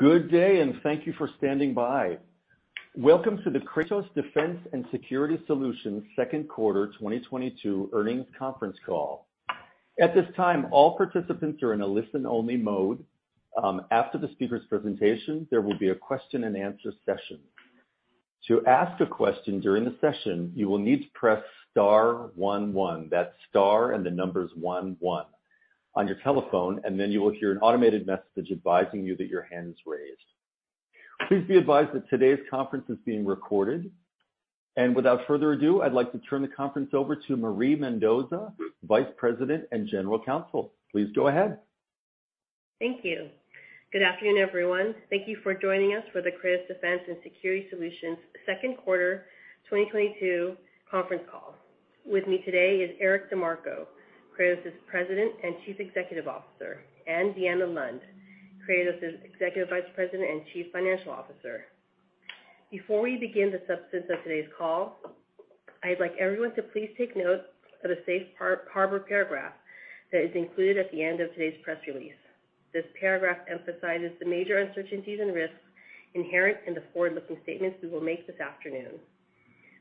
Good day, and thank you for standing by. Welcome to the Kratos Defense & Security Solutions second quarter 2022 earnings conference call. At this time, all participants are in a listen-only mode. After the speaker's presentation, there will be a question-and-answer session. To ask a question during the session, you will need to press star one. That's star and the numbers one on your telephone, and then you will hear an automated message advising you that your hand is raised. Please be advised that today's conference is being recorded. Without further ado, I'd like to turn the conference over to Marie Mendoza, Vice President and General Counsel. Please go ahead. Thank you. Good afternoon, everyone. Thank you for joining us for the Kratos Defense & Security Solutions second quarter 2022 conference call. With me today is Eric DeMarco, Kratos' President and Chief Executive Officer, and Deanna Lund, Kratos' Executive Vice President and Chief Financial Officer. Before we begin the substance of today's call, I'd like everyone to please take note of a safe harbor paragraph that is included at the end of today's press release. This paragraph emphasizes the major uncertainties and risks inherent in the forward-looking statements we will make this afternoon.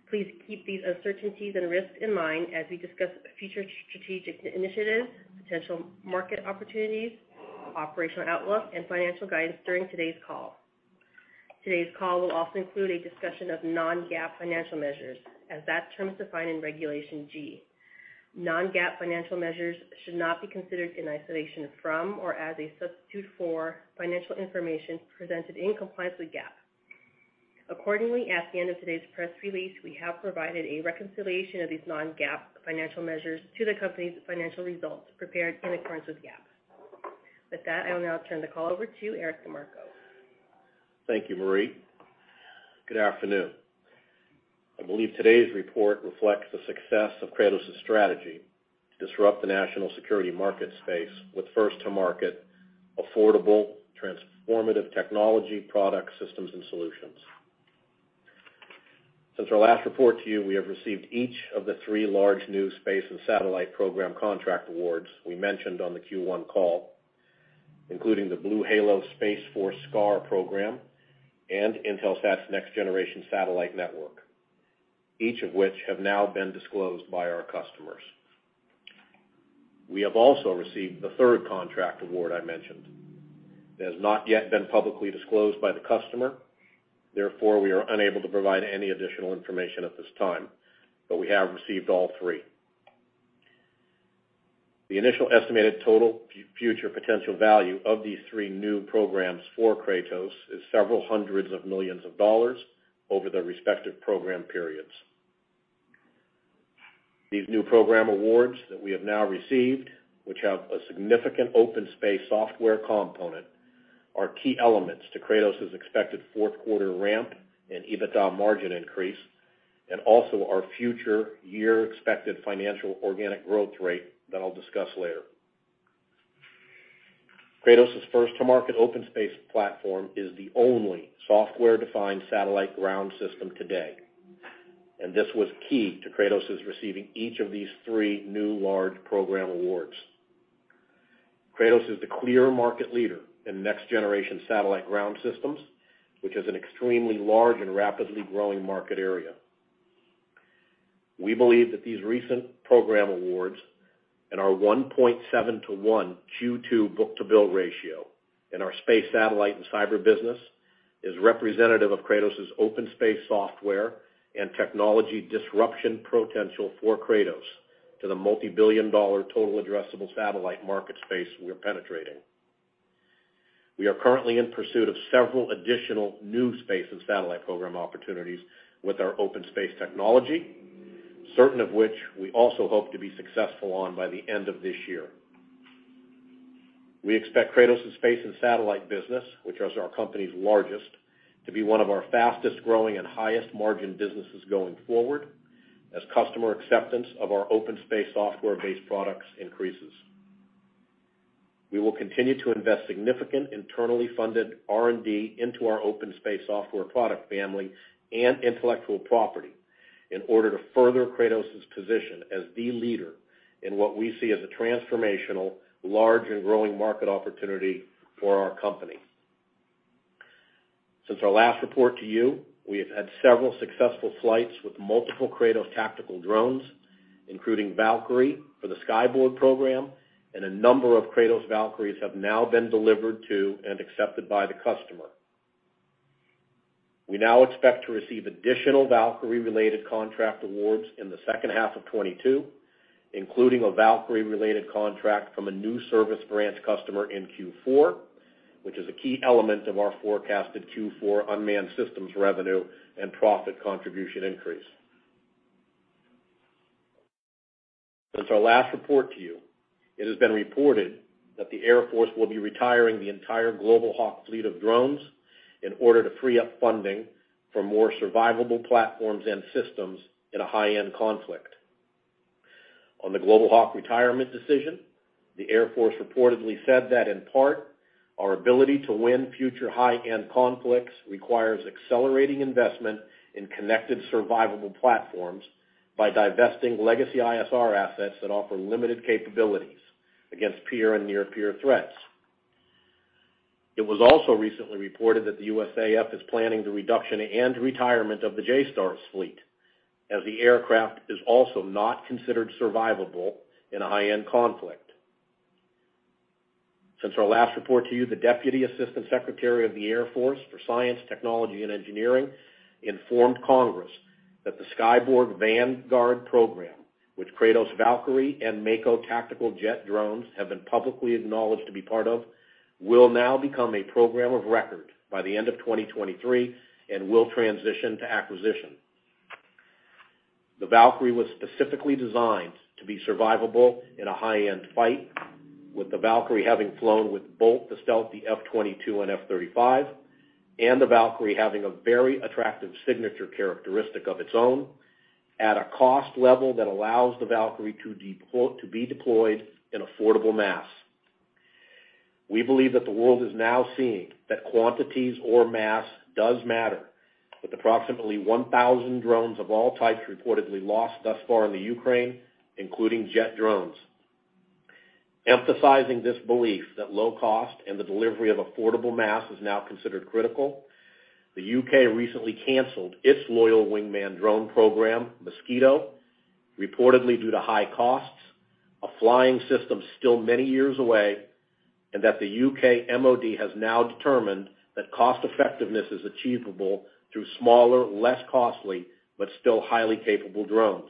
Please keep these uncertainties and risks in mind as we discuss future strategic initiatives, potential market opportunities, operational outlook, and financial guidance during today's call. Today's call will also include a discussion of non-GAAP financial measures as that term is defined in Regulation G. Non-GAAP financial measures should not be considered in isolation from or as a substitute for financial information presented in compliance with GAAP. Accordingly, at the end of today's press release, we have provided a reconciliation of these non-GAAP financial measures to the company's financial results prepared in accordance with GAAP. With that, I will now turn the call over to Eric DeMarco. Thank you, Marie. Good afternoon. I believe today's report reflects the success of Kratos' strategy to disrupt the national security market space with first-to-market, affordable, transformative technology products, systems, and solutions. Since our last report to you, we have received each of the three large new space and satellite program contract awards we mentioned on the Q1 call, including the BlueHalo Space Force SCAR program and Intelsat's next-generation satellite network, each of which have now been disclosed by our customers. We have also received the third contract award I mentioned. It has not yet been publicly disclosed by the customer, therefore, we are unable to provide any additional information at this time, but we have received all three. The initial estimated total future potential value of these three new programs for Kratos is several hundred millions of dollars over their respective program periods. These new program awards that we have now received, which have a significant OpenSpace software component, are key elements to Kratos' expected fourth quarter ramp and EBITDA margin increase and also our future year expected financial organic growth rate that I'll discuss later. Kratos' first-to-market OpenSpace platform is the only software-defined satellite ground system today, and this was key to Kratos' receiving each of these three new large program awards. Kratos is the clear market leader in next-generation satellite ground systems, which is an extremely large and rapidly growing market area. We believe that these recent program awards and our 1.7 to 1 Q2 book-to-bill ratio in our space satellite and cyber business is representative of Kratos' OpenSpace software and technology disruption potential for Kratos to the multibillion-dollar total addressable satellite market space we are penetrating. We are currently in pursuit of several additional new space and satellite program opportunities with our OpenSpace technology, certain of which we also hope to be successful on by the end of this year. We expect Kratos' space and satellite business, which is our company's largest, to be one of our fastest-growing and highest-margin businesses going forward as customer acceptance of our OpenSpace software-based products increases. We will continue to invest significant internally funded R&D into our OpenSpace software product family and intellectual property in order to further Kratos' position as the leader in what we see as a transformational, large, and growing market opportunity for our company. Since our last report to you, we have had several successful flights with multiple Kratos tactical drones, including Valkyrie for the Skyborg program, and a number of Kratos Valkyries have now been delivered to and accepted by the customer. We now expect to receive additional Valkyrie-related contract awards in the second half of 2022, including a Valkyrie-related contract from a new service branch customer in Q4, which is a key element of our forecasted Q4 unmanned systems revenue and profit contribution increase. Since our last report to you, it has been reported that the Air Force will be retiring the entire Global Hawk fleet of drones in order to free up funding for more survivable platforms and systems in a high-end conflict. On the Global Hawk retirement decision, the Air Force reportedly said that, in part, our ability to win future high-end conflicts requires accelerating investment in connected survivable platforms by divesting legacy ISR assets that offer limited capabilities against peer and near-peer threats. It was also recently reported that the USAF is planning the reduction and retirement of the JSTARS fleet as the aircraft is also not considered survivable in a high-end conflict. Since our last report to you, the Deputy Assistant Secretary of the Air Force for Science, Technology and Engineering informed Congress that the Skyborg Vanguard program, which Kratos Valkyrie and Mako tactical jet drones have been publicly acknowledged to be part of, will now become a program of record by the end of 2023 and will transition to acquisition. The Valkyrie was specifically designed to be survivable in a high-end fight, with the Valkyrie having flown with both the stealthy F-22 and F-35, and the Valkyrie having a very attractive signature characteristic of its own at a cost level that allows the Valkyrie to be deployed in affordable mass. We believe that the world is now seeing that quantities or mass does matter, with approximately 1,000 drones of all types reportedly lost thus far in Ukraine, including jet drones. Emphasizing this belief that low cost and the delivery of affordable mass is now considered critical, the U.K. recently canceled its loyal wingman drone program, Mosquito, reportedly due to high costs, a flying system still many years away, and that the U.K. MOD has now determined that cost effectiveness is achievable through smaller, less costly, but still highly capable drones.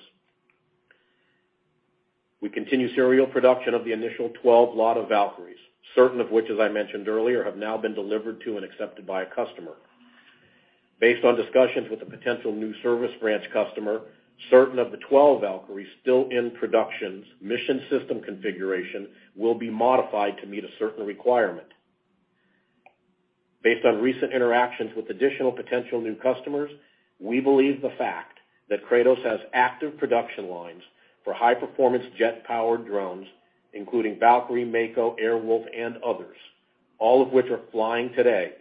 We continue serial production of the initial 12 lot of Valkyries, certain of which, as I mentioned earlier, have now been delivered to and accepted by a customer. Based on discussions with a potential new service branch customer, certain of the 12 Valkyries still in production's mission system configuration will be modified to meet a certain requirement. Based on recent interactions with additional potential new customers, we believe the fact that Kratos has active production lines for high-performance jet-powered drones, including Valkyrie, Mako, Air Wolf, and others, all of which are flying today,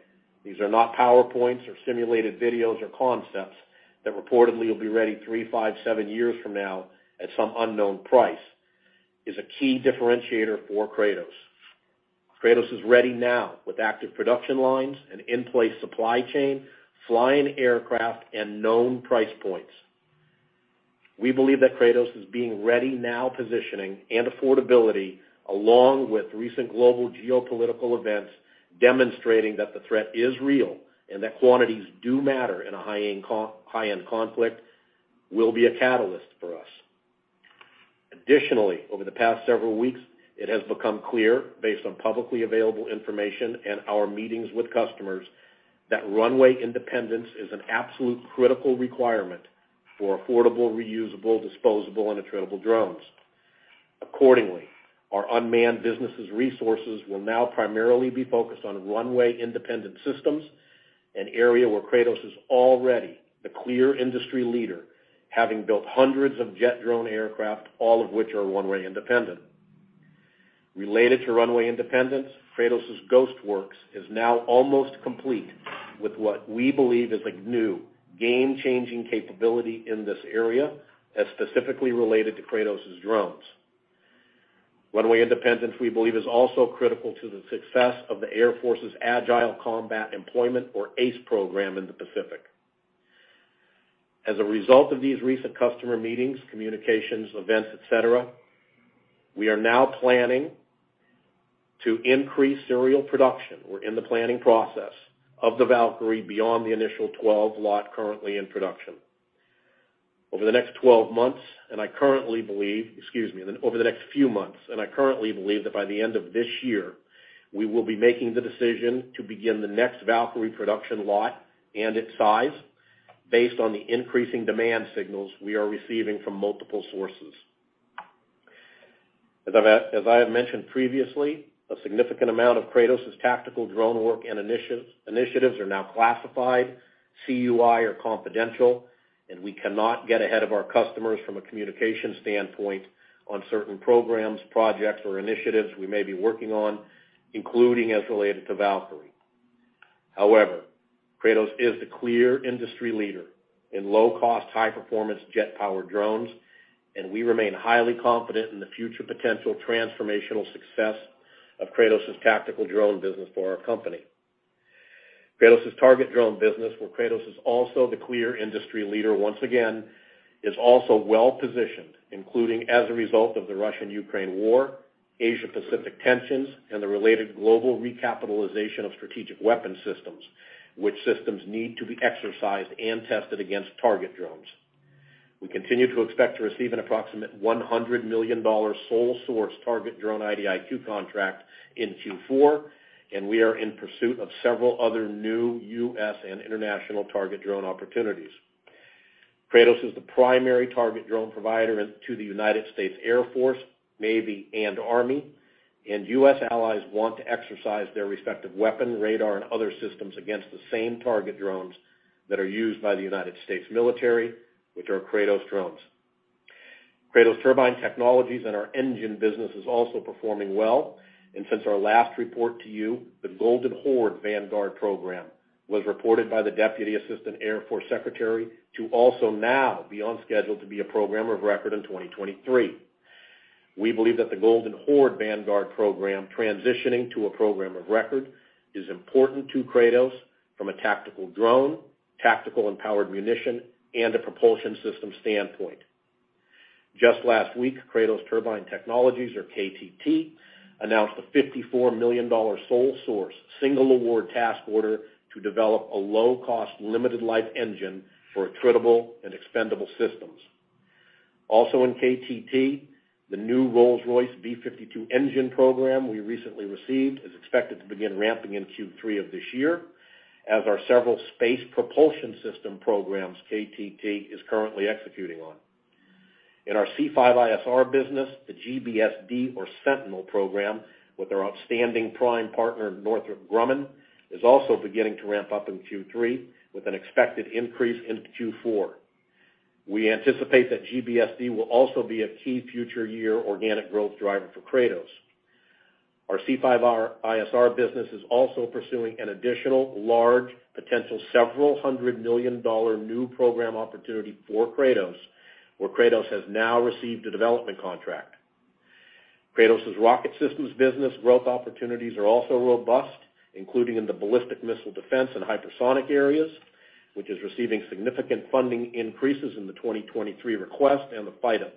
these are not PowerPoints or simulated videos or concepts that reportedly will be ready three, five, seven years from now at some unknown price, is a key differentiator for Kratos. Kratos is ready now with active production lines, an in-place supply chain, flying aircraft, and known price points. We believe that Kratos is being ready now, positioning and affordability along with recent global geopolitical events demonstrating that the threat is real and that quantities do matter in a high-end conflict will be a catalyst for us. Additionally, over the past several weeks, it has become clear based on publicly available information and our meetings with customers that runway independence is an absolute critical requirement for affordable, reusable, disposable, and attritable drones. Accordingly, our unmanned businesses resources will now primarily be focused on runway-independent systems, an area where Kratos is already the clear industry leader, having built hundreds of jet drone aircraft, all of which are runway independent. Related to runway independence, Kratos' Ghost Works is now almost complete with what we believe is a new game-changing capability in this area as specifically related to Kratos' drones. Runway independence, we believe, is also critical to the success of the Air Force's Agile Combat Employment, or ACE program, in the Pacific. As a result of these recent customer meetings, communications, events, et cetera, we are now planning to increase serial production. We're in the planning process of the Valkyrie beyond the initial 12 lot currently in production. Over the next few months, and I currently believe that by the end of this year, we will be making the decision to begin the next Valkyrie production lot and its size based on the increasing demand signals we are receiving from multiple sources. As I have mentioned previously, a significant amount of Kratos' tactical drone work and initiatives are now classified, CUI or confidential, and we cannot get ahead of our customers from a communication standpoint on certain programs, projects, or initiatives we may be working on, including as related to Valkyrie. However, Kratos is the clear industry leader in low-cost, high-performance jet-powered drones, and we remain highly confident in the future potential transformational success of Kratos' tactical drone business for our company. Kratos' target drone business, where Kratos is also the clear industry leader once again, is also well-positioned, including as a result of the Russian-Ukraine war, Asia-Pacific tensions, and the related global recapitalization of strategic weapon systems, which systems need to be exercised and tested against target drones. We continue to expect to receive an approximate $100 million sole source target drone IDIQ contract in Q4, and we are in pursuit of several other new U.S. and international target drone opportunities. Kratos is the primary target drone provider to the United States Air Force, Navy, and Army, and U.S. allies want to exercise their respective weapon, radar, and other systems against the same target drones that are used by the United States military, which are Kratos drones. Kratos Turbine Technologies and our engine business is also performing well. Since our last report to you, the Golden Horde Vanguard program was reported by the Deputy Assistant Air Force Secretary to also now be on schedule to be a program of record in 2023. We believe that the Golden Horde Vanguard program transitioning to a program of record is important to Kratos from a tactical drone, tactical empowered munition, and a propulsion system standpoint. Just last week, Kratos Turbine Technologies, or KTT, announced a $54 million sole source single award task order to develop a low-cost limited life engine for attritable and expendable systems. Also in KTT, the new Rolls-Royce V52 engine program we recently received is expected to begin ramping in Q3 of this year, as are several space propulsion system programs KTT is currently executing on. In our C5ISR business, the GBSD or Sentinel program with our outstanding prime partner, Northrop Grumman, is also beginning to ramp up in Q3 with an expected increase into Q4. We anticipate that GBSD will also be a key future year organic growth driver for Kratos. Our C5ISR business is also pursuing an additional large potential several hundred million dollar new program opportunity for Kratos, where Kratos has now received a development contract. Kratos' rocket systems business growth opportunities are also robust, including in the ballistic missile defense and hypersonic areas, which is receiving significant funding increases in the 2023 request and the FYDP.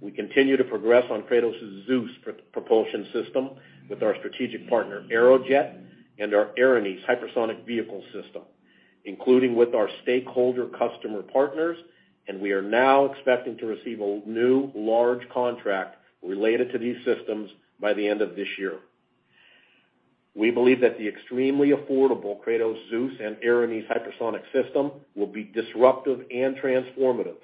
We continue to progress on Kratos' Zeus propulsion system with our strategic partner Aerojet and our Erinyes hypersonic vehicle system, including with our stakeholder customer partners, and we are now expecting to receive a new large contract related to these systems by the end of this year. We believe that the extremely affordable Kratos Zeus and Erinyes hypersonic system will be disruptive and transformative,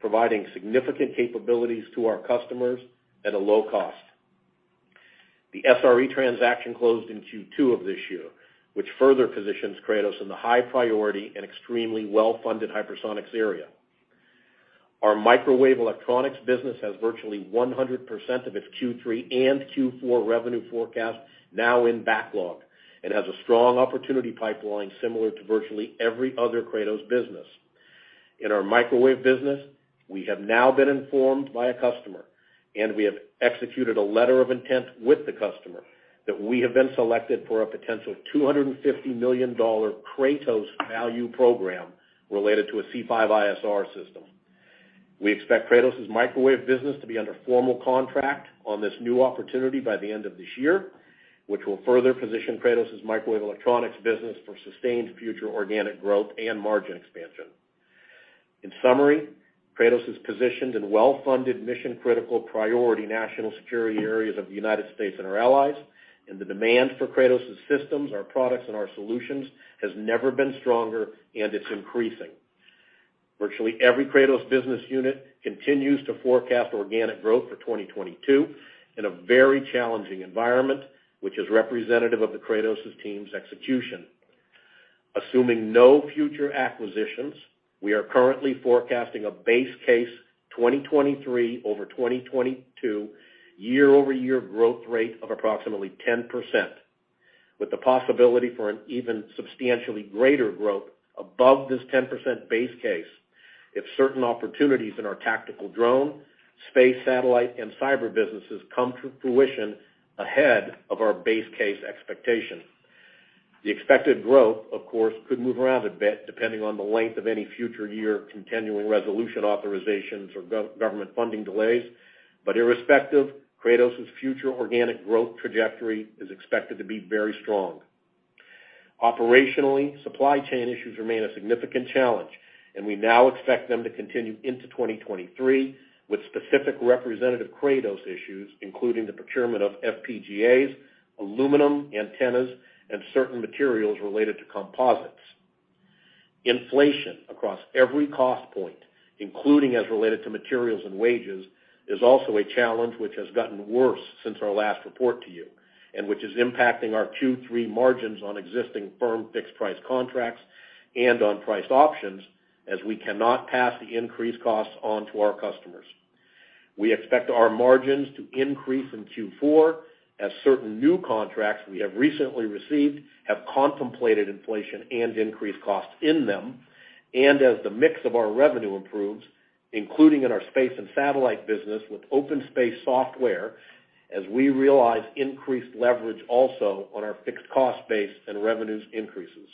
providing significant capabilities to our customers at a low cost. The SRE transaction closed in Q2 of this year, which further positions Kratos in the high priority and extremely well-funded hypersonics area. Our microwave electronics business has virtually 100% of its Q3 and Q4 revenue forecast now in backlog and has a strong opportunity pipeline similar to virtually every other Kratos business. In our microwave business, we have now been informed by a customer, and we have executed a letter of intent with the customer that we have been selected for a potential $250 million Kratos value program related to a C5ISR system. We expect Kratos' microwave business to be under formal contract on this new opportunity by the end of this year, which will further position Kratos' microwave electronics business for sustained future organic growth and margin expansion. In summary, Kratos is positioned in well-funded, mission-critical priority national security areas of the United States and our allies, and the demand for Kratos' systems, our products and our solutions has never been stronger and it's increasing. Virtually every Kratos business unit continues to forecast organic growth for 2022 in a very challenging environment, which is representative of the Kratos' team's execution. Assuming no future acquisitions, we are currently forecasting a base case 2023 over 2022 year-over-year growth rate of approximately 10%, with the possibility for an even substantially greater growth above this 10% base case if certain opportunities in our tactical drone, space satellite, and cyber businesses come to fruition ahead of our base case expectations. The expected growth, of course, could move around a bit depending on the length of any future year continuing resolution authorizations or government funding delays. Irrespective, Kratos' future organic growth trajectory is expected to be very strong. Operationally, supply chain issues remain a significant challenge, and we now expect them to continue into 2023, with specific representative Kratos issues, including the procurement of FPGAs, aluminum antennas, and certain materials related to composites. Inflation across every cost point, including as related to materials and wages, is also a challenge which has gotten worse since our last report to you, and which is impacting our Q3 margins on existing firm fixed price contracts and on priced options, as we cannot pass the increased costs on to our customers. We expect our margins to increase in Q4 as certain new contracts we have recently received have contemplated inflation and increased costs in them, and as the mix of our revenue improves, including in our space and satellite business with OpenSpace software, as we realize increased leverage also on our fixed cost base and revenues increases.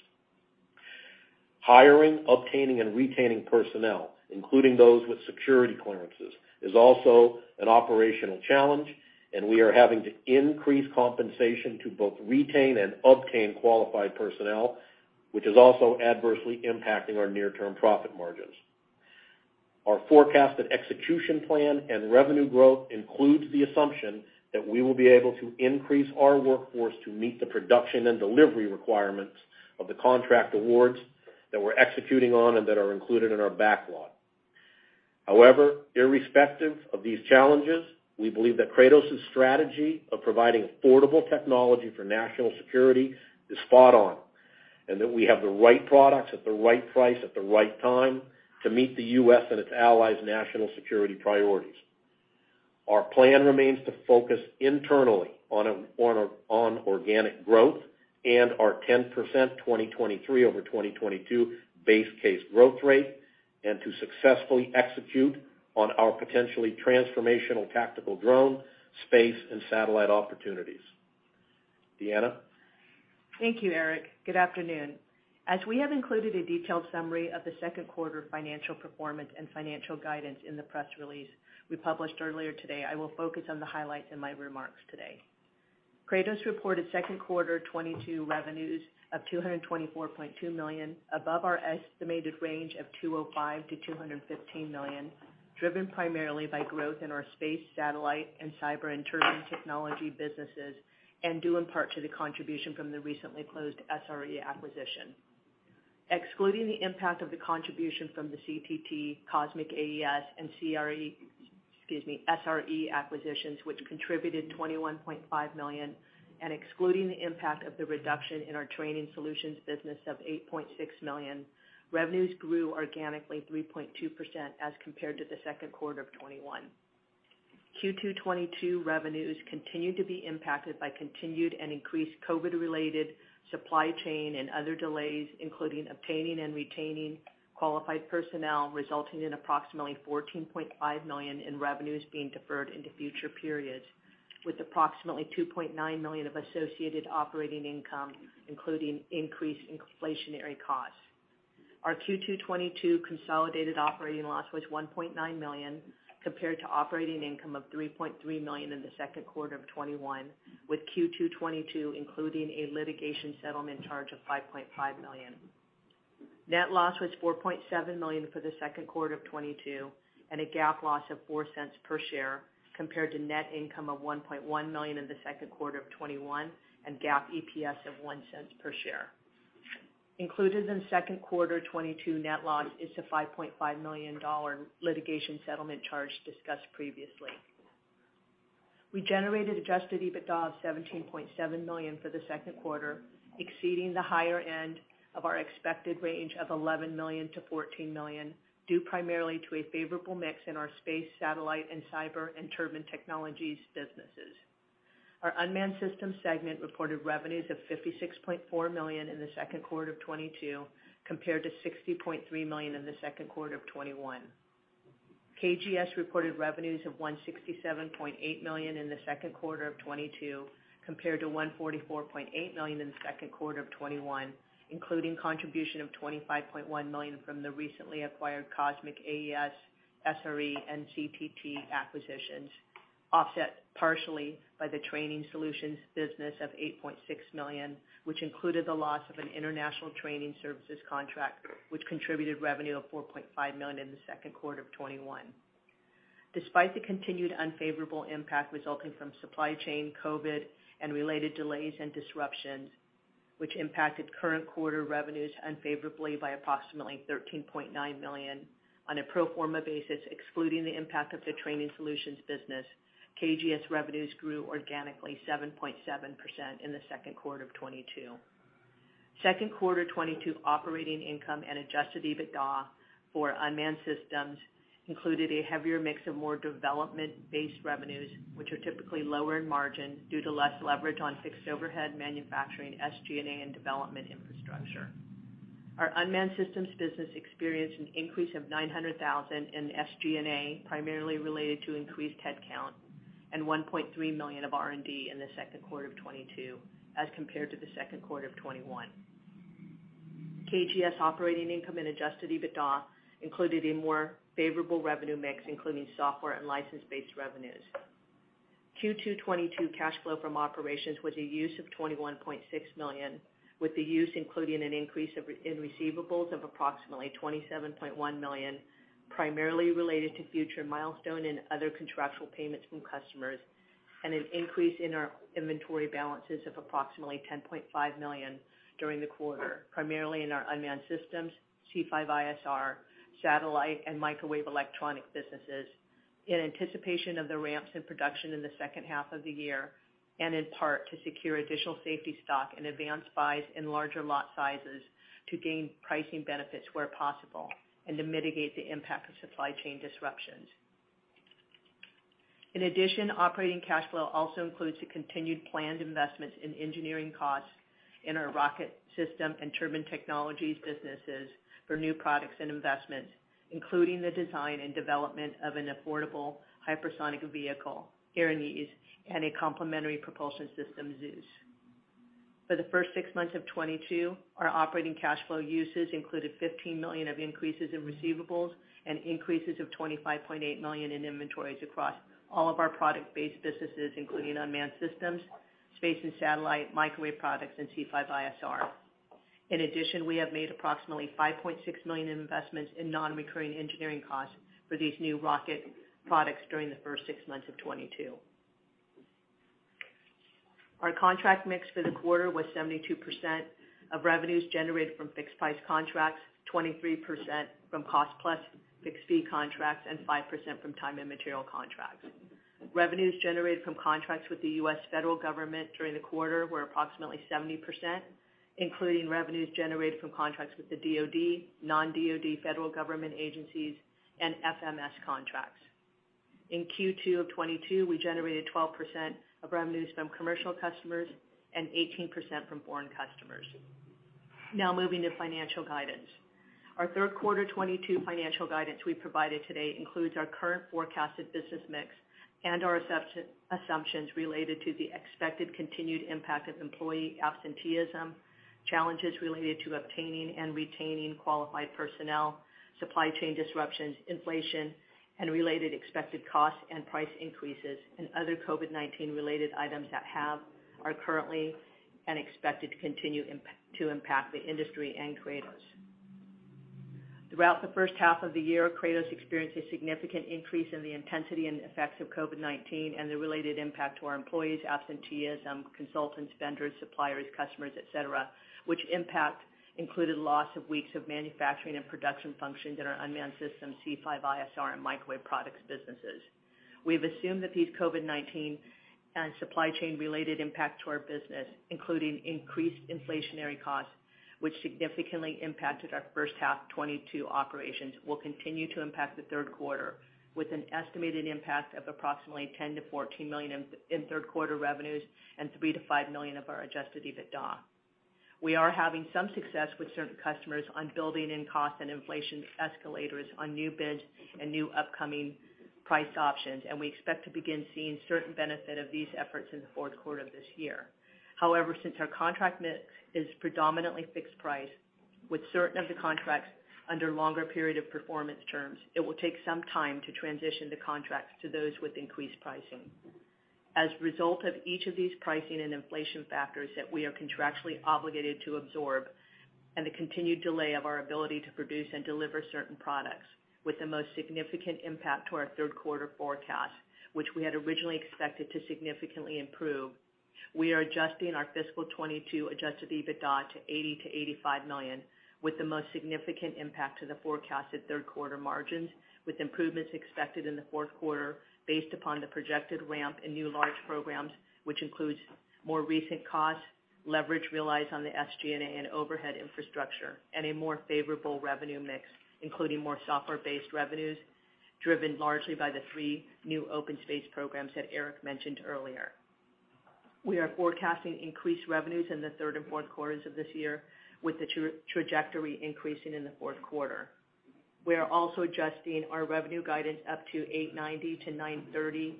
Hiring, obtaining, and retaining personnel, including those with security clearances, is also an operational challenge, and we are having to increase compensation to both retain and obtain qualified personnel, which is also adversely impacting our near-term profit margins. Our forecasted execution plan and revenue growth includes the assumption that we will be able to increase our workforce to meet the production and delivery requirements of the contract awards that we're executing on and that are included in our backlog. However, irrespective of these challenges, we believe that Kratos' strategy of providing affordable technology for national security is spot on. That we have the right products at the right price at the right time to meet the U.S. and its allies' national security priorities. Our plan remains to focus internally on organic growth and our 10% 2023 over 2022 base case growth rate, and to successfully execute on our potentially transformational tactical drone, space, and satellite opportunities. Deanna? Thank you, Eric. Good afternoon. As we have included a detailed summary of the second quarter financial performance and financial guidance in the press release we published earlier today, I will focus on the highlights in my remarks today. Kratos reported second quarter 2022 revenues of $224.2 million, above our estimated range of $205million-$215 million, driven primarily by growth in our space, satellite, and cyber and turbine technology businesses, and due in part to the contribution from the recently closed SRE acquisition. Excluding the impact of the contribution from the CTT, Cosmic AES, and SRE acquisitions, excuse me, which contributed $21.5 million, and excluding the impact of the reduction in our training solutions business of $8.6 million, revenues grew organically 3.2% as compared to the second quarter of 2021. Q2 2022 revenues continued to be impacted by continued and increased COVID-related supply chain and other delays, including obtaining and retaining qualified personnel, resulting in approximately $14.5 million in revenues being deferred into future periods, with approximately $2.9 million of associated operating income, including increased inflationary costs. Our Q2 2022 consolidated operating loss was $1.9 million, compared to operating income of $3.3 million in the second quarter of 2021, with Q2 2022 including a litigation settlement charge of $5.5 million. Net loss was $4.7 million for the second quarter of 2022, and a GAAP loss of $0.04 per share, compared to net income of $1.1 million in the second quarter of 2021, and GAAP EPS of $0.01 per share. Included in second quarter 2022 net loss is the $5.5 million litigation settlement charge discussed previously. We generated Adjusted EBITDA of $17.7 million for the second quarter, exceeding the higher end of our expected range of $11 million-$14 million, due primarily to a favorable mix in our space, satellite and cyber and turbine technologies businesses. Our unmanned systems segment reported revenues of $56.4 million in the second quarter of 2022, compared to $60.3 million in the second quarter of 2021. KGS reported revenues of $167.8 million in the second quarter of 2022, compared to $144.8 million in the second quarter of 2021, including contribution of $25.1 million from the recently acquired Cosmic AES, SRE, and CTT acquisitions, offset partially by the training solutions business of $8.6 million, which included the loss of an international training services contract, which contributed revenue of $4.5 million in the second quarter of 2021. Despite the continued unfavorable impact resulting from supply chain, COVID, and related delays and disruptions, which impacted current quarter revenues unfavorably by approximately $13.9 million on a pro forma basis, excluding the impact of the training solutions business, KGS revenues grew organically 7.7% in the second quarter of 2022. Second quarter 2022 operating income and Adjusted EBITDA for unmanned systems included a heavier mix of more development-based revenues, which are typically lower in margin due to less leverage on fixed overhead manufacturing, SG&A, and development infrastructure. Our unmanned systems business experienced an increase of $900,000 in SG&A, primarily related to increased headcount, and $1.3 million of R&D in the second quarter of 2022 as compared to the second quarter of 2021. KGS operating income and Adjusted EBITDA included a more favorable revenue mix, including software and license-based revenues. Q2 2022 cash flow from operations was a use of $21.6 million, with the use including an increase in receivables of approximately $27.1 million, primarily related to future milestone and other contractual payments from customers, and an increase in our inventory balances of approximately $10.5 million during the quarter, primarily in our unmanned systems, C5ISR, satellite, and microwave electronic businesses in anticipation of the ramps in production in the second half of the year, and in part to secure additional safety stock and advance buys in larger lot sizes to gain pricing benefits where possible and to mitigate the impact of supply chain disruptions. In addition, operating cash flow also includes the continued planned investments in engineering costs in our rocket system and turbine technologies businesses for new products and investments, including the design and development of an affordable hypersonic vehicle, Erinyes, and a complementary propulsion system, Zeus. For the first six months of 2022, our operating cash flow uses included $15 million of increases in receivables and increases of $25.8 million in inventories across all of our product-based businesses, including unmanned systems, space and satellite, microwave products, and C5ISR. In addition, we have made approximately $5.6 million in investments in non-recurring engineering costs for these new rocket products during the first six months of 2022. Our contract mix for the quarter was 72% of revenues generated from fixed-price contracts, 23% from cost plus fixed fee contracts, and 5% from time and material contracts. Revenues generated from contracts with the U.S. federal government during the quarter were approximately 70%, including revenues generated from contracts with the DoD, non-DoD federal government agencies and FMS contracts. In Q2 of 2022, we generated 12% of revenues from commercial customers and 18% from foreign customers. Now moving to financial guidance. Our third quarter 2022 financial guidance we provided today includes our current forecasted business mix and our assumptions related to the expected continued impact of employee absenteeism, challenges related to obtaining and retaining qualified personnel, supply chain disruptions, inflation and related expected costs and price increases and other COVID-19 related items that have, are currently and expected to continue to impact the industry and Kratos. Throughout the first half of the year, Kratos experienced a significant increase in the intensity and effects of COVID-19 and the related impact to our employees, absenteeism, consultants, vendors, suppliers, customers, et cetera, which impact included loss of weeks of manufacturing and production functions in our unmanned systems, C5ISR and microwave products businesses. We've assumed that these COVID-19 and supply chain related impact to our business, including increased inflationary costs, which significantly impacted our first half 2022 operations, will continue to impact the third quarter with an estimated impact of approximately $10 million-$14 million in third quarter revenues and $3 million-$5 million of our Adjusted EBITDA. We are having some success with certain customers on building in cost and inflation escalators on new bids and new upcoming price options, and we expect to begin seeing certain benefit of these efforts in the fourth quarter of this year. However, since our contract mix is predominantly fixed price with certain of the contracts under longer period of performance terms, it will take some time to transition the contracts to those with increased pricing. As a result of each of these pricing and inflation factors that we are contractually obligated to absorb and the continued delay of our ability to produce and deliver certain products with the most significant impact to our third quarter forecast, which we had originally expected to significantly improve, we are adjusting our fiscal 2022 Adjusted EBITDA to $80 million-$85 million, with the most significant impact to the forecasted third quarter margins, with improvements expected in the fourth quarter based upon the projected ramp in new large programs, which includes more recent costs, leverage realized on the SG&A and overhead infrastructure and a more favorable revenue mix, including more software-based revenues, driven largely by the three new OpenSpace programs that Eric mentioned earlier. We are forecasting increased revenues in the third and fourth quarters of this year, with the trajectory increasing in the fourth quarter. We are also adjusting our revenue guidance up to $890 million-$930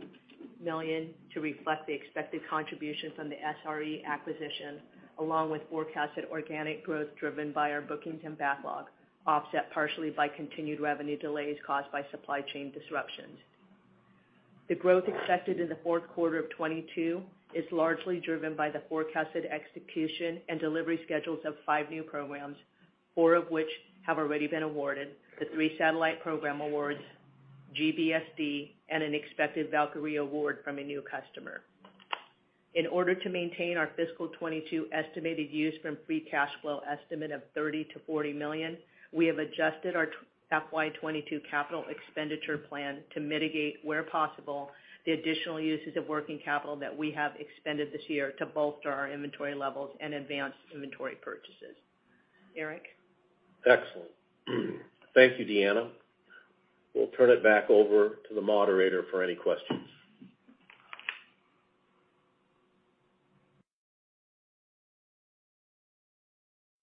million to reflect the expected contribution from the SRE acquisition, along with forecasted organic growth driven by our bookings and backlog, offset partially by continued revenue delays caused by supply chain disruptions. The growth expected in the fourth quarter of 2022 is largely driven by the forecasted execution and delivery schedules of five new programs, four of which have already been awarded, the three satellite program awards, GBSD and an expected Valkyrie award from a new customer. In order to maintain our fiscal 2022 estimated use from free cash flow estimate of $30 million-$40 million, we have adjusted our FY 2022 capital expenditure plan to mitigate where possible, the additional uses of working capital that we have expended this year to bolster our inventory levels and advance inventory purchases. Eric? Excellent. Thank you, Deanna. We'll turn it back over to the moderator for any questions.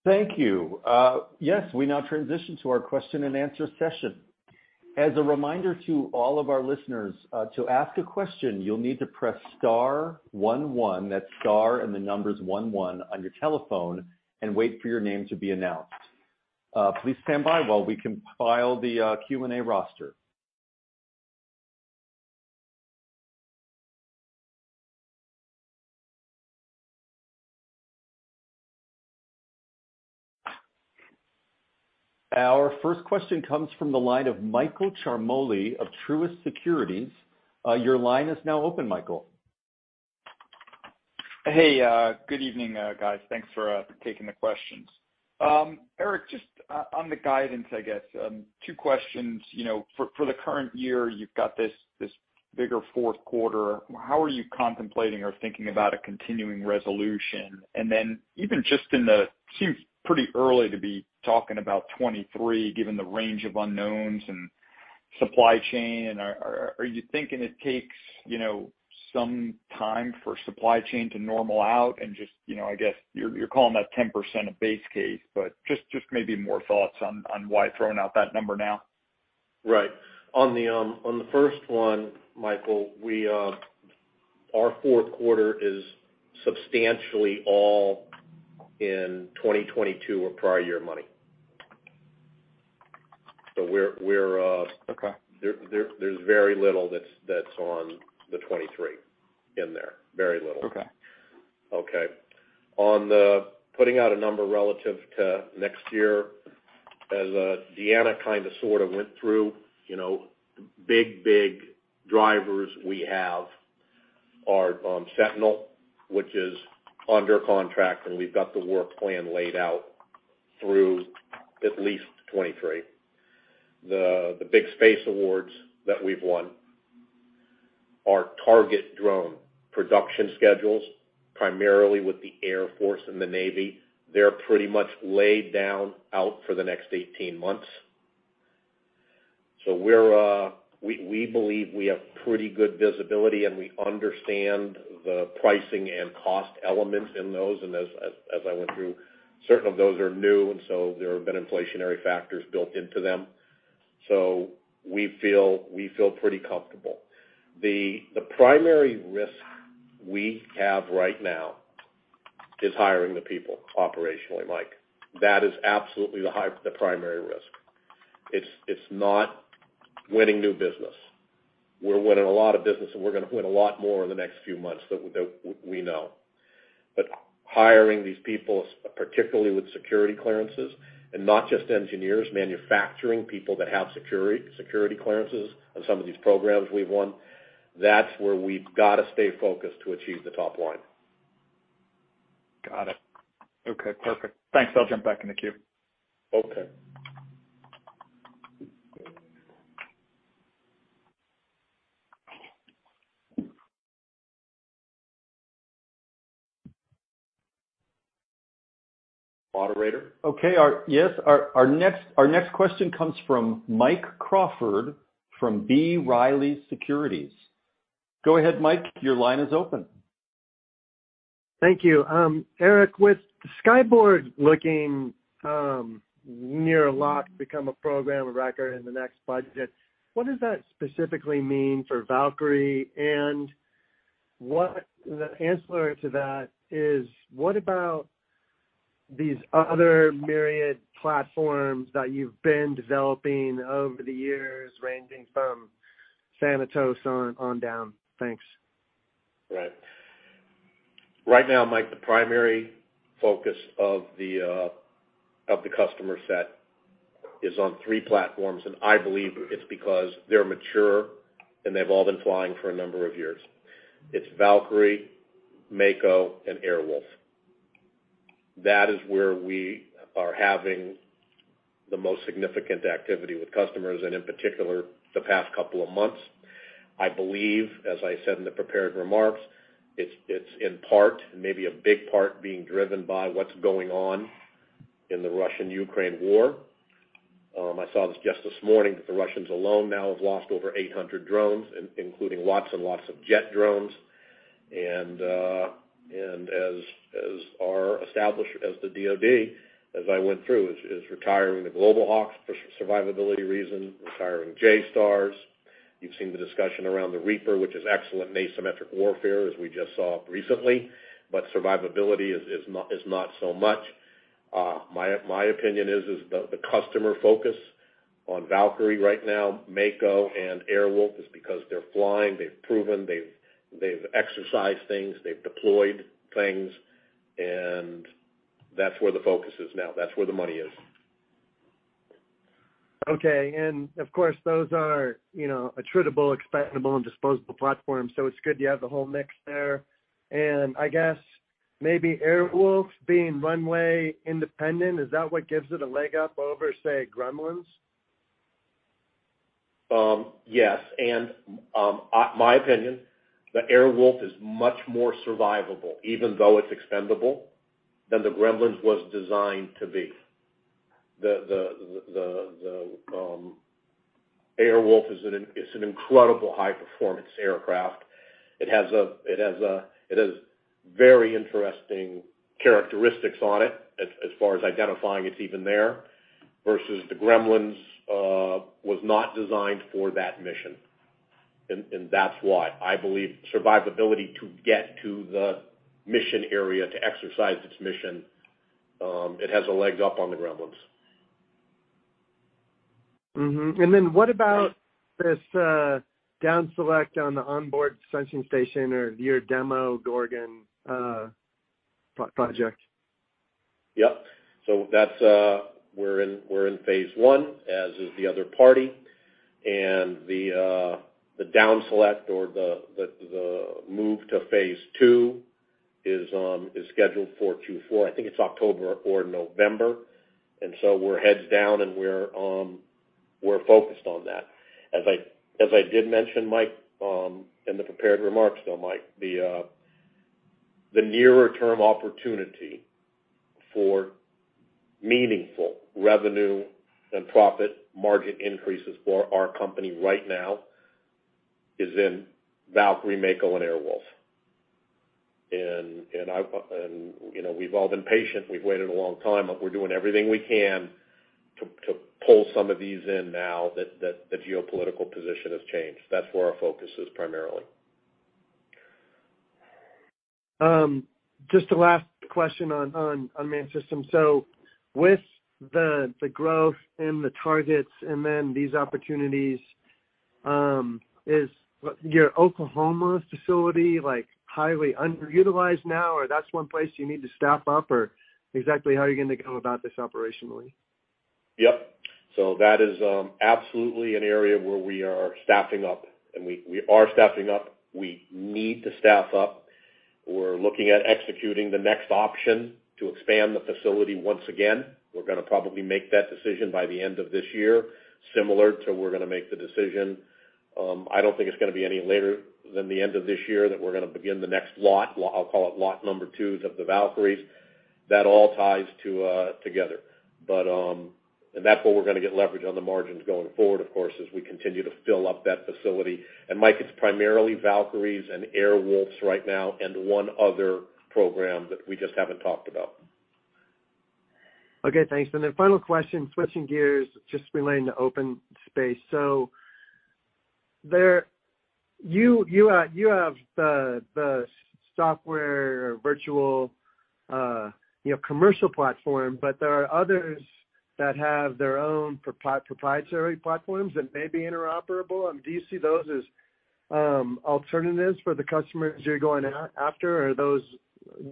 Thank you. Yes, we now transition to our question and answer session. As a reminder to all of our listeners, to ask a question, you'll need to press star one. That's star and the numbers one on your telephone and wait for your name to be announced. Please stand by while we compile the Q&A roster. Our first question comes from the line of Michael Ciarmoli of Truist Securities. Your line is now open, Michael. Hey, good evening, guys. Thanks for taking the questions. Eric, just on the guidance, I guess, two questions. You know, for the current year, you've got this bigger fourth quarter. How are you contemplating or thinking about a continuing resolution? And then even just seems pretty early to be talking about 2023, given the range of unknowns and supply chain. Are you thinking it takes, you know, some time for supply chain to normalize and just, you know, I guess, you're calling that 10% a base case, but just maybe more thoughts on why throwing out that number now. Right. On the first one, Michael, our fourth quarter is substantially all in 2022 or prior year money. We're Okay. There's very little that's on the 2023 in there. Very little. Okay. Okay. On the putting out a number relative to next year, as Deanna kinda sorta went through, you know, big drivers we have are Sentinel, which is under contract, and we've got the work plan laid out through at least 2023. The big space awards that we've won. Our target drone production schedules, primarily with the Air Force and the Navy, they're pretty much laid out for the next 18 months. So we're we believe we have pretty good visibility, and we understand the pricing and cost elements in those. And as I went through, certain of those are new, and so there have been inflationary factors built into them. So we feel we feel pretty comfortable. The primary risk we have right now is hiring the people operationally, Mike. That is absolutely the primary risk. It's not winning new business. We're winning a lot of business, and we're gonna win a lot more in the next few months, but that we know. Hiring these people, particularly with security clearances, and not just engineers, manufacturing people that have security clearances on some of these programs we've won, that's where we've got to stay focused to achieve the top line. Got it. Okay, perfect. Thanks. I'll jump back in the queue. Okay. Operator? Okay. Yes, our next question comes from Mike Crawford from B. Riley Securities. Go ahead, Mike. Your line is open. Thank you. Eric, with Skyborg looking near a lock to become a program of record in the next budget, what does that specifically mean for Valkyrie? The answer to that is, what about these other myriad platforms that you've been developing over the years, ranging from Sentinel on down? Thanks. Right. Right now, Mike, the primary focus of the customer set is on three platforms, and I believe it's because they're mature, and they've all been flying for a number of years. It's Valkyrie, Mako, and Air Wolf. That is where we are having the most significant activity with customers, and in particular, the past couple of months. I believe, as I said in the prepared remarks, it's in part, maybe a big part being driven by what's going on in the Russian-Ukraine war. I saw this just this morning that the Russians alone now have lost over 800 drones, including lots and lots of jet drones. As established, the DoD, as I went through, is retiring the Global Hawks for survivability reasons, retiring JSTARS. You've seen the discussion around the Reaper, which is excellent in asymmetric warfare, as we just saw recently, but survivability is not so much. My opinion is the customer focus on Valkyrie right now, Mako and Air Wolf, is because they're flying, they've proven, they've exercised things, they've deployed things, and that's where the focus is now. That's where the money is. Okay. Of course, those are, you know, attritable, expendable, and disposable platforms. It's good you have the whole mix there. I guess maybe Air Wolf being runway independent, is that what gives it a leg up over, say, Gremlins? Yes. In my opinion, the Air Wolf is much more survivable, even though it's expendable, than the Gremlins was designed to be. The Air Wolf is an incredible high-performance aircraft. It has very interesting characteristics on it as far as identifying it's even there, versus the Gremlins was not designed for that mission. That's why I believe survivability to get to the mission area to exercise its mission, it has a leg up on the Gremlins. Mm-hmm. What about this, down select on the onboard sensing station or your Demogorgon project? Yep. We're in phase one, as is the other party. The down select or the move to phase two is scheduled for Q4. I think it's October or November. We're heads down, and we're focused on that. As I did mention, Mike, in the prepared remarks, though, Mike, the nearer term opportunity for meaningful revenue and profit margin increases for our company right now is in Valkyrie, Mako, and Air Wolf. You know, we've all been patient. We've waited a long time, but we're doing everything we can to pull some of these in now that the geopolitical position has changed. That's where our focus is primarily. Just a last question on unmanned systems. With the growth and the targets and then these opportunities, is your Oklahoma facility like, highly underutilized now, or that's one place you need to staff up, or exactly how are you gonna go about this operationally? Yep. That is absolutely an area where we are staffing up. We need to staff up. We're looking at executing the next option to expand the facility once again. We're gonna probably make that decision by the end of this year, similar to we're gonna make the decision. I don't think it's gonna be any later than the end of this year that we're gonna begin the next lot. I'll call it lot number twos of the Valkyrie. That all ties together. That's where we're gonna get leverage on the margins going forward, of course, as we continue to fill up that facility. Mike, it's primarily Valkyrie and Air Wolf right now, and one other program that we just haven't talked about. Okay, thanks. Final question, switching gears, just relating to OpenSpace. There you have the software virtual, you know, commercial platform, but there are others that have their own proprietary platforms that may be interoperable. Do you see those as alternatives for the customers you're going after, or are those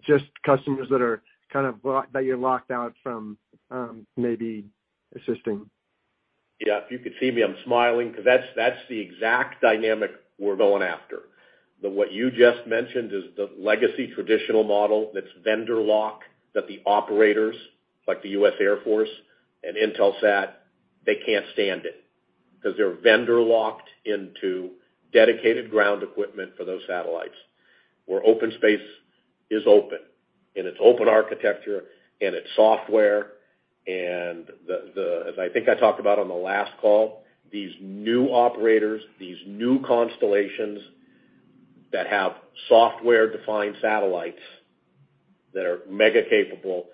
just customers that you're locked out from maybe assisting? Yeah, if you could see me, I'm smiling 'cause that's the exact dynamic we're going after. The what you just mentioned is the legacy traditional model that's vendor lock that the operators, like the U.S. Air Force and Intelsat, they can't stand it. Because they're vendor locked into dedicated ground equipment for those satellites. Where OpenSpace is open, and it's open architecture, and it's software, and as I think I talked about on the last call, these new operators, these new constellations that have software-defined satellites that are mega capable,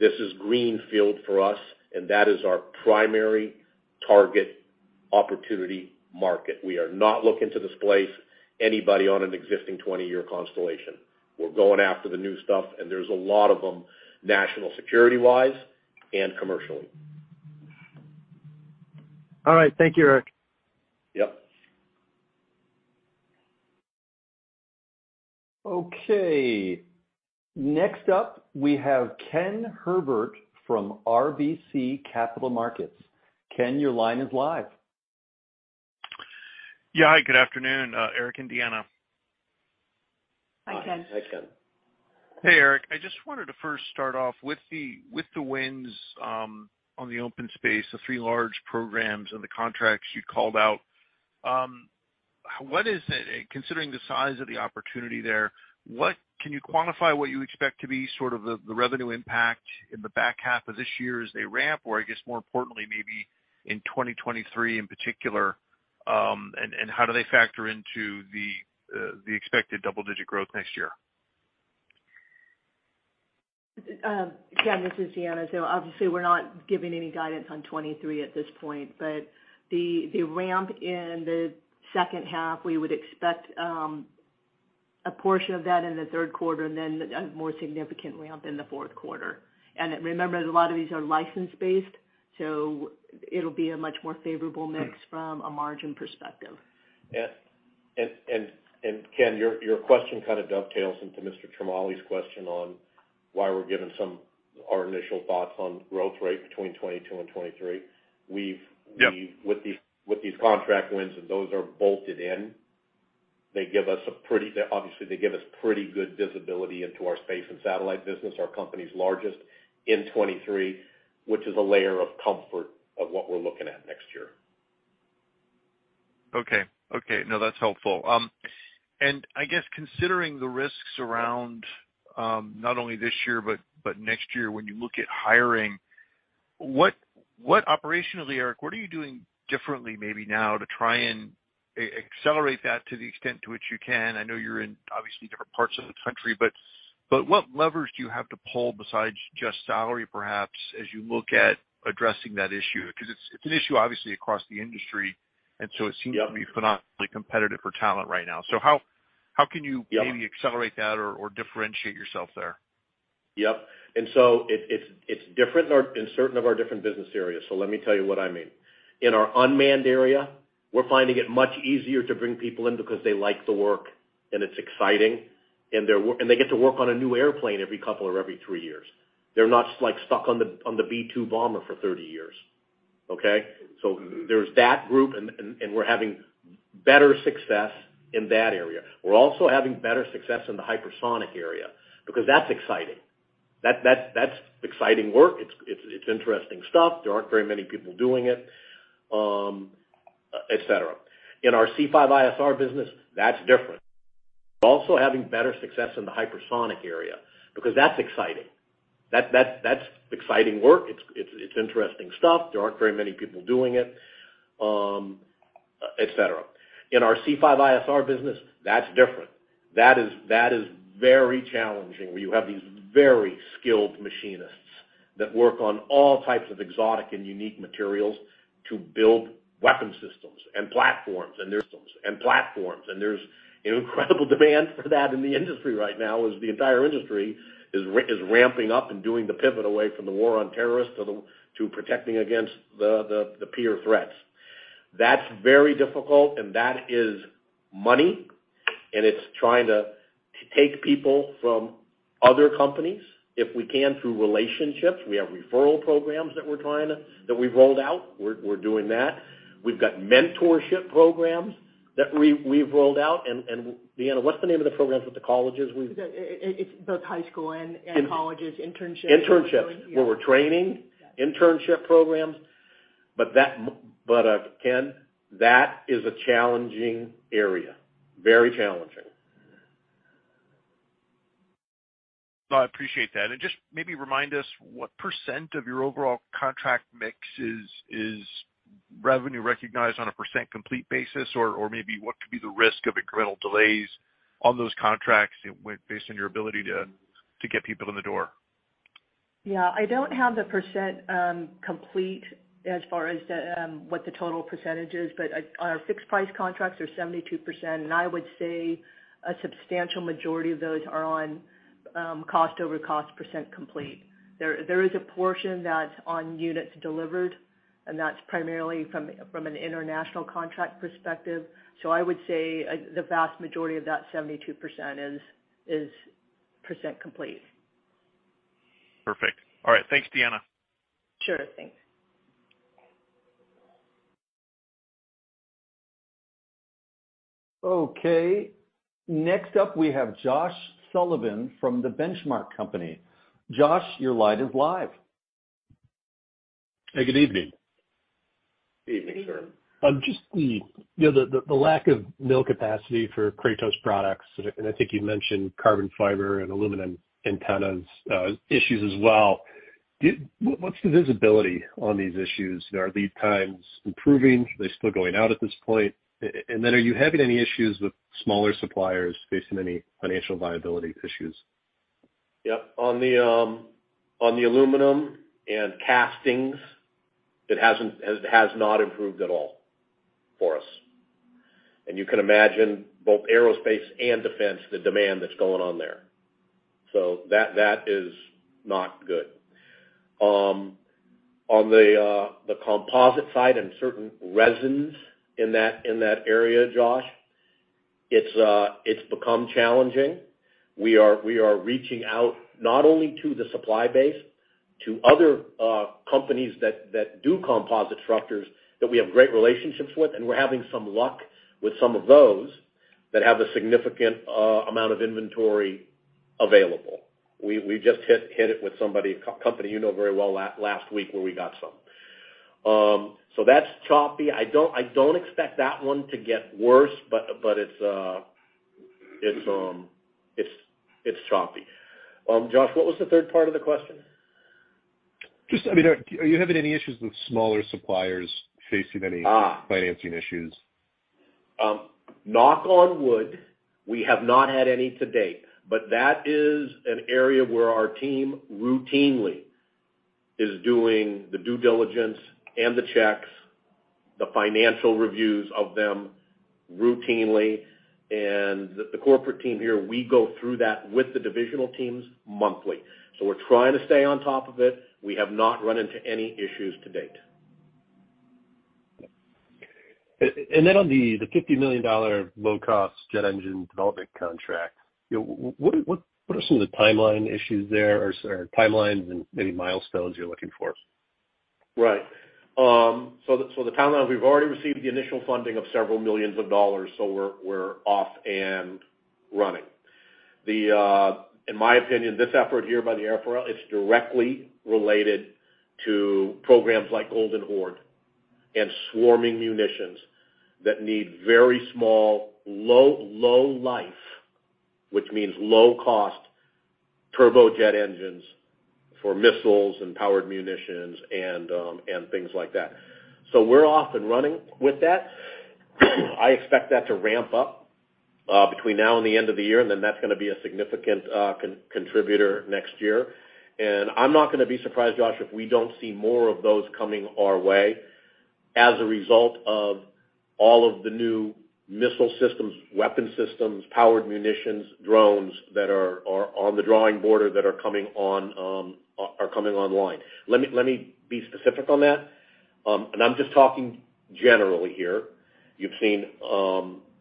this is greenfield for us, and that is our primary target opportunity market. We are not looking to displace anybody on an existing 20-year constellation. We're going after the new stuff, and there's a lot of them national security-wise and commercially. All right. Thank you, Eric. Yep. Okay. Next up, we have Ken Herbert from RBC Capital Markets. Ken, your line is live. Yeah. Hi, good afternoon, Eric and Deanna. Hi. Hi, Ken. Hey, Eric. I just wanted to first start off with the wins on the OpenSpace, the three large programs and the contracts you called out. Considering the size of the opportunity there, can you quantify what you expect to be the revenue impact in the back half of this year as they ramp or, I guess more importantly, maybe in 2023 in particular, and how do they factor into the expected double-digit growth next year? Ken, this is Deanna. Obviously, we're not giving any guidance on 2023 at this point. The ramp in the second half, we would expect a portion of that in the third quarter and then a more significant ramp in the fourth quarter. Remember that a lot of these are license-based, so it'll be a much more favorable mix from a margin perspective. Yeah. Ken, your question kind of dovetails into Mr. Ciarmoli's question on why we're giving our initial thoughts on growth rate between 2022 and 2023. Yeah. With these contract wins, those are bolted in. They give us, obviously, pretty good visibility into our space and satellite business, our company's largest in 2023, which is a layer of comfort of what we're looking at next year. Okay. No, that's helpful. I guess considering the risks around, not only this year but next year when you look at hiring, what operationally, Eric, what are you doing differently maybe now to try and accelerate that to the extent to which you can? I know you're in obviously different parts of the country, but what levers do you have to pull besides just salary perhaps as you look at addressing that issue? Because it's an issue obviously across the industry, so it seems. Yeah. To be phenomenally competitive for talent right now. How can you Yeah. Maybe accelerate that or differentiate yourself there? Yep. It's different in certain of our different business areas, so let me tell you what I mean. In our unmanned area, we're finding it much easier to bring people in because they like the work, and it's exciting, and they get to work on a new airplane every couple or every three years. They're not stuck on the B-2 bomber for 30 years, okay? There's that group, and we're having better success in that area. We're also having better success in the hypersonic area because that's exciting. That's exciting work. It's interesting stuff. There aren't very many people doing it, et cetera. In our C5ISR business, that's different. Also having better success in the hypersonic area because that's exciting. That's exciting work. It's interesting stuff. There aren't very many people doing it, et cetera. In our C5ISR business, that's different. That is very challenging, where you have these very skilled machinists that work on all types of exotic and unique materials to build weapon systems and platforms, and platforms, and there's an incredible demand for that in the industry right now as the entire industry is ramping up and doing the pivot away from the war on terrorists to protecting against the peer threats. That's very difficult, and that is money, and it's trying to take people from other companies, if we can, through relationships. We have referral programs that we've rolled out. We're doing that. We've got mentorship programs that we've rolled out. Deanna, what's the name of the programs with the colleges? We've It's both high school and colleges. Internships. Internships. Where we're training. Yes. Internship programs. Ken, that is a challenging area. Very challenging. No, I appreciate that. Just maybe remind us what percent of your overall contract mix is revenue recognized on a percent complete basis? Or maybe what could be the risk of incremental delays on those contracts based on your ability to get people in the door? Yeah. I don't have the percent complete as far as what the total percentage is, but on our fixed price contracts are 72%, and I would say a substantial majority of those are on cost-to-cost percent complete. There is a portion that's on units delivered, and that's primarily from an international contract perspective. I would say the vast majority of that 72% is percent complete. Perfect. All right. Thanks, Deanna. Sure. Thanks. Okay. Next up, we have Josh Sullivan from The Benchmark Company. Josh, your line is live. Hey, good evening. Evening, sir. Just the, you know, the lack of mill capacity for Kratos products, and I think you mentioned carbon fiber and aluminum antennas issues as well. What's the visibility on these issues? Are lead times improving? Are they still going out at this point? And then are you having any issues with smaller suppliers facing any financial viability issues? Yeah. On the aluminum and castings, it has not improved at all for us. You can imagine both aerospace and defense, the demand that's going on there. That is not good. On the composite side and certain resins in that area, Josh, it's become challenging. We are reaching out not only to the supply base, to other companies that do composite structures that we have great relationships with, and we're having some luck with some of those that have a significant amount of inventory available. We just hit it with somebody, a company you know very well last week, where we got some. That's choppy. I don't expect that one to get worse, but it's choppy. Josh, what was the third part of the question? Just, I mean, are you having any issues with smaller suppliers facing any- Ah. Financing issues? Knock on wood, we have not had any to date, but that is an area where our team routinely is doing the due diligence and the checks, the financial reviews of them routinely. The corporate team here, we go through that with the divisional teams monthly. We're trying to stay on top of it. We have not run into any issues to date. On the $50 million low-cost jet engine development contract, you know, what are some of the timeline issues there or timelines and maybe milestones you're looking for? Right. The timeline, we've already received the initial funding of $several million, so we're off and running. In my opinion, this effort here by the Air Force is directly related to programs like Golden Horde and swarming munitions that need very small, low life, which means low cost turbojet engines for missiles and powered munitions and things like that. We're off and running with that. I expect that to ramp up between now and the end of the year, and then that's gonna be a significant contributor next year. I'm not gonna be surprised, Josh, if we don't see more of those coming our way as a result of all of the new missile systems, weapon systems, powered munitions, drones that are on the drawing board or that are coming online. Let me be specific on that, and I'm just talking generally here. You've seen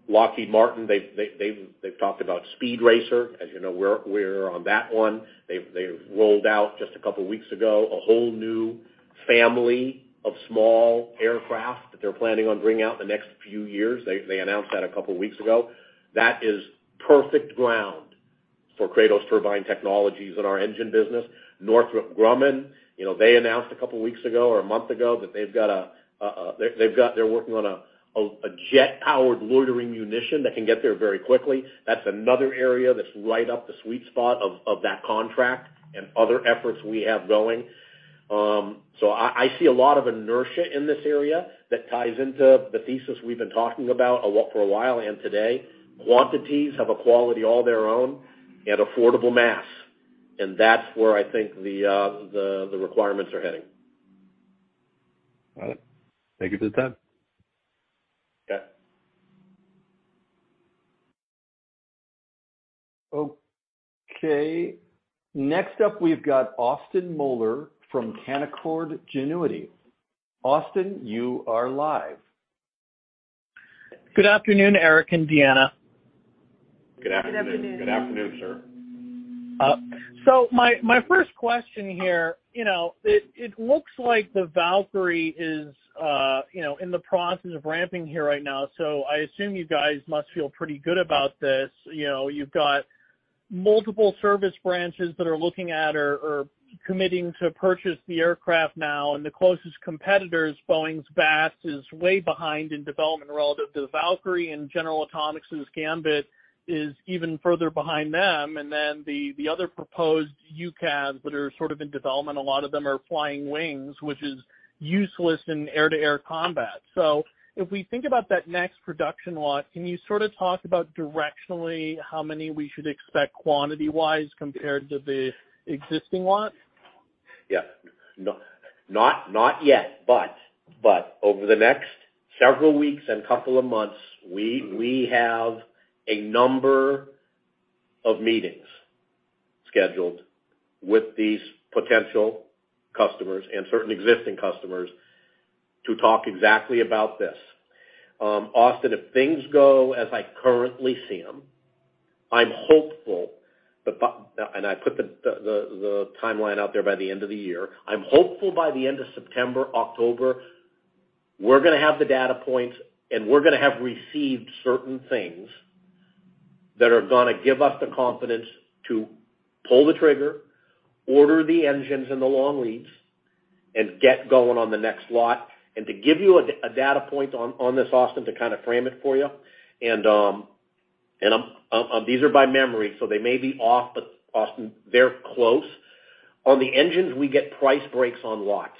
Lockheed Martin, they've talked about Speed Racer. As you know, we're on that one. They've rolled out just a couple weeks ago, a whole new family of small aircraft that they're planning on bringing out in the next few years. They announced that a couple weeks ago. That is perfect ground for Kratos Turbine Technologies and our engine business. Northrop Grumman, you know, they announced a couple weeks ago or a month ago that they're working on a jet-powered loitering munition that can get there very quickly. That's another area that's right up the sweet spot of that contract and other efforts we have going. I see a lot of inertia in this area that ties into the thesis we've been talking about for a while and today. Quantities have a quality all their own and affordable mass, and that's where I think the requirements are heading. All right. Thank you for the time. Yeah. Okay. Next up, we've got Austin Moeller from Canaccord Genuity. Austin, you are live. Good afternoon, Eric and Deanna. Good afternoon. Good afternoon. Good afternoon, sir. My first question here, you know, it looks like the Valkyrie is, you know, in the process of ramping here right now. I assume you guys must feel pretty good about this. You know, you've got multiple service branches that are looking at or committing to purchase the aircraft now, and the closest competitor, Boeing's MQ-28 Ghost Bat, is way behind in development relative to the Valkyrie, and General Atomics' Gambit is even further behind them. Then the other proposed UCAVs that are sort of in development, a lot of them are flying wings, which is useless in air-to-air combat. If we think about that next production lot, can you sort of talk about directionally how many we should expect quantity wise compared to the existing lot? Not yet, but over the next several weeks and couple of months, we have a number of meetings scheduled with these potential customers and certain existing customers to talk exactly about this. Austin, if things go as I currently see them, I'm hopeful, but I put the timeline out there by the end of the year. I'm hopeful by the end of September, October, we're gonna have the data points, and we're gonna have received certain things that are gonna give us the confidence to pull the trigger, order the engines and the long leads, and get going on the next lot. To give you a data point on this, Austin, to kind of frame it for you, these are by memory, so they may be off, but Austin, they're close. On the engines, we get price breaks on lots.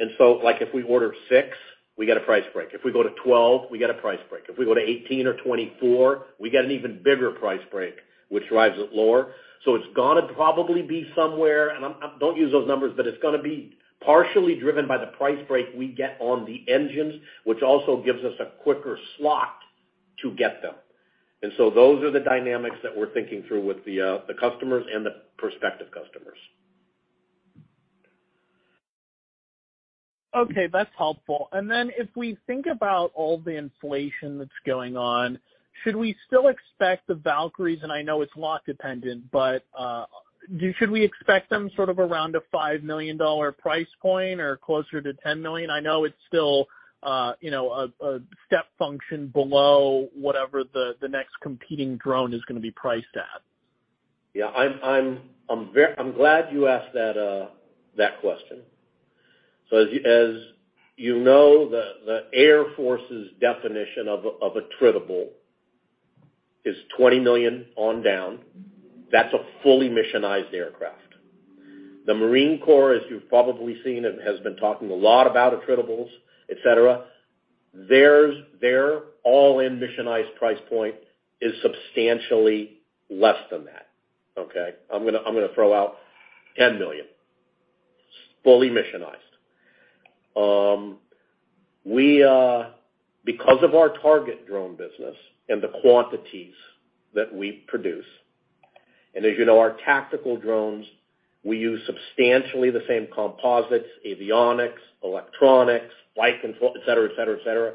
Like if we order six, we get a price break. If we go to 12, we get a price break. If we go to 18 or 24, we get an even bigger price break, which drives it lower. It's gonna probably be somewhere. Don't use those numbers, but it's gonna be partially driven by the price break we get on the engines, which also gives us a quicker slot to get them. Those are the dynamics that we're thinking through with the customers and the prospective customers. Okay, that's helpful. If we think about all the inflation that's going on, should we still expect the Valkyries, and I know it's lot dependent, but should we expect them sort of around a $5 million price point or closer to $10 million? I know it's still you know, a step function below whatever the next competing drone is gonna be priced at. I'm glad you asked that question. As you know, the Air Force's definition of attritable is $20 million on down. That's a fully missionized aircraft. The Marine Corps, as you've probably seen, has been talking a lot about attritables, et cetera. Their all-in missionized price point is substantially less than that, okay? I'm gonna throw out $10 million, fully missionized. Because of our target drone business and the quantities that we produce, and as you know, our tactical drones, we use substantially the same composites, avionics, electronics, flight control, et cetera, et cetera, et cetera.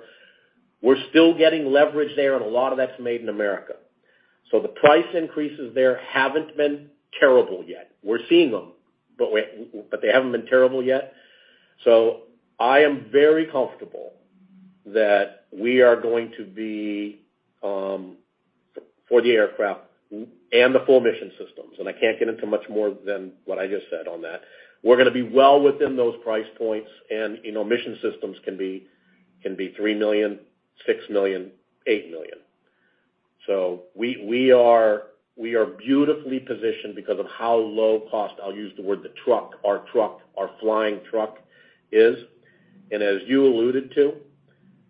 We're still getting leverage there, and a lot of that's made in America. The price increases there haven't been terrible yet. We're seeing them, but they haven't been terrible yet. I am very comfortable that we are going to be for the aircraft and the full mission systems, and I can't get into much more than what I just said on that. We're gonna be well within those price points and, you know, mission systems can be $3 million, $6 million, $8 million. We are beautifully positioned because of how low cost, I'll use the word the truck, our truck, our flying truck is. As you alluded to,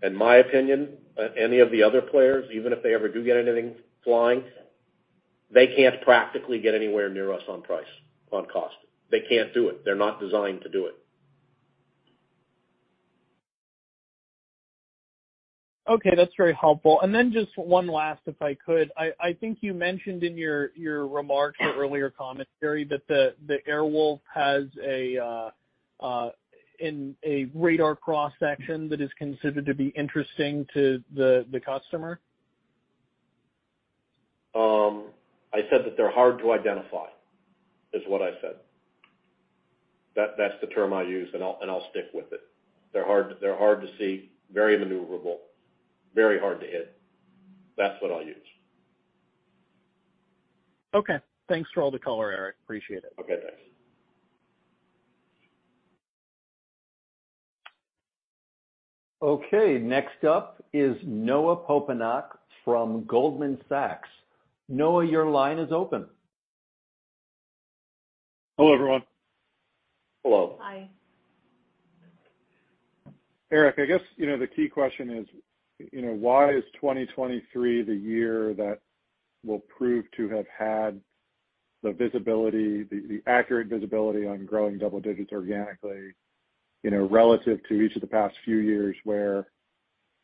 in my opinion, any of the other players, even if they ever do get anything flying, they can't practically get anywhere near us on price, on cost. They can't do it. They're not designed to do it. Okay, that's very helpful. Then just one last, if I could. I think you mentioned in your remarks or earlier commentary that the Air Wolf has a radar cross-section that is considered to be interesting to the customer. I said that they're hard to identify, is what I said. That's the term I use, and I'll stick with it. They're hard to see, very maneuverable, very hard to hit. That's what I'll use. Okay. Thanks for all the color, Eric. Appreciate it. Okay, thanks. Okay. Next up is Noah Poponak from Goldman Sachs. Noah, your line is open. Hello, everyone. Hello. Hi. Eric, I guess, you know, the key question is, you know, why is 2023 the year that will prove to have had the visibility, the accurate visibility on growing double digits organically, you know, relative to each of the past few years where, you know,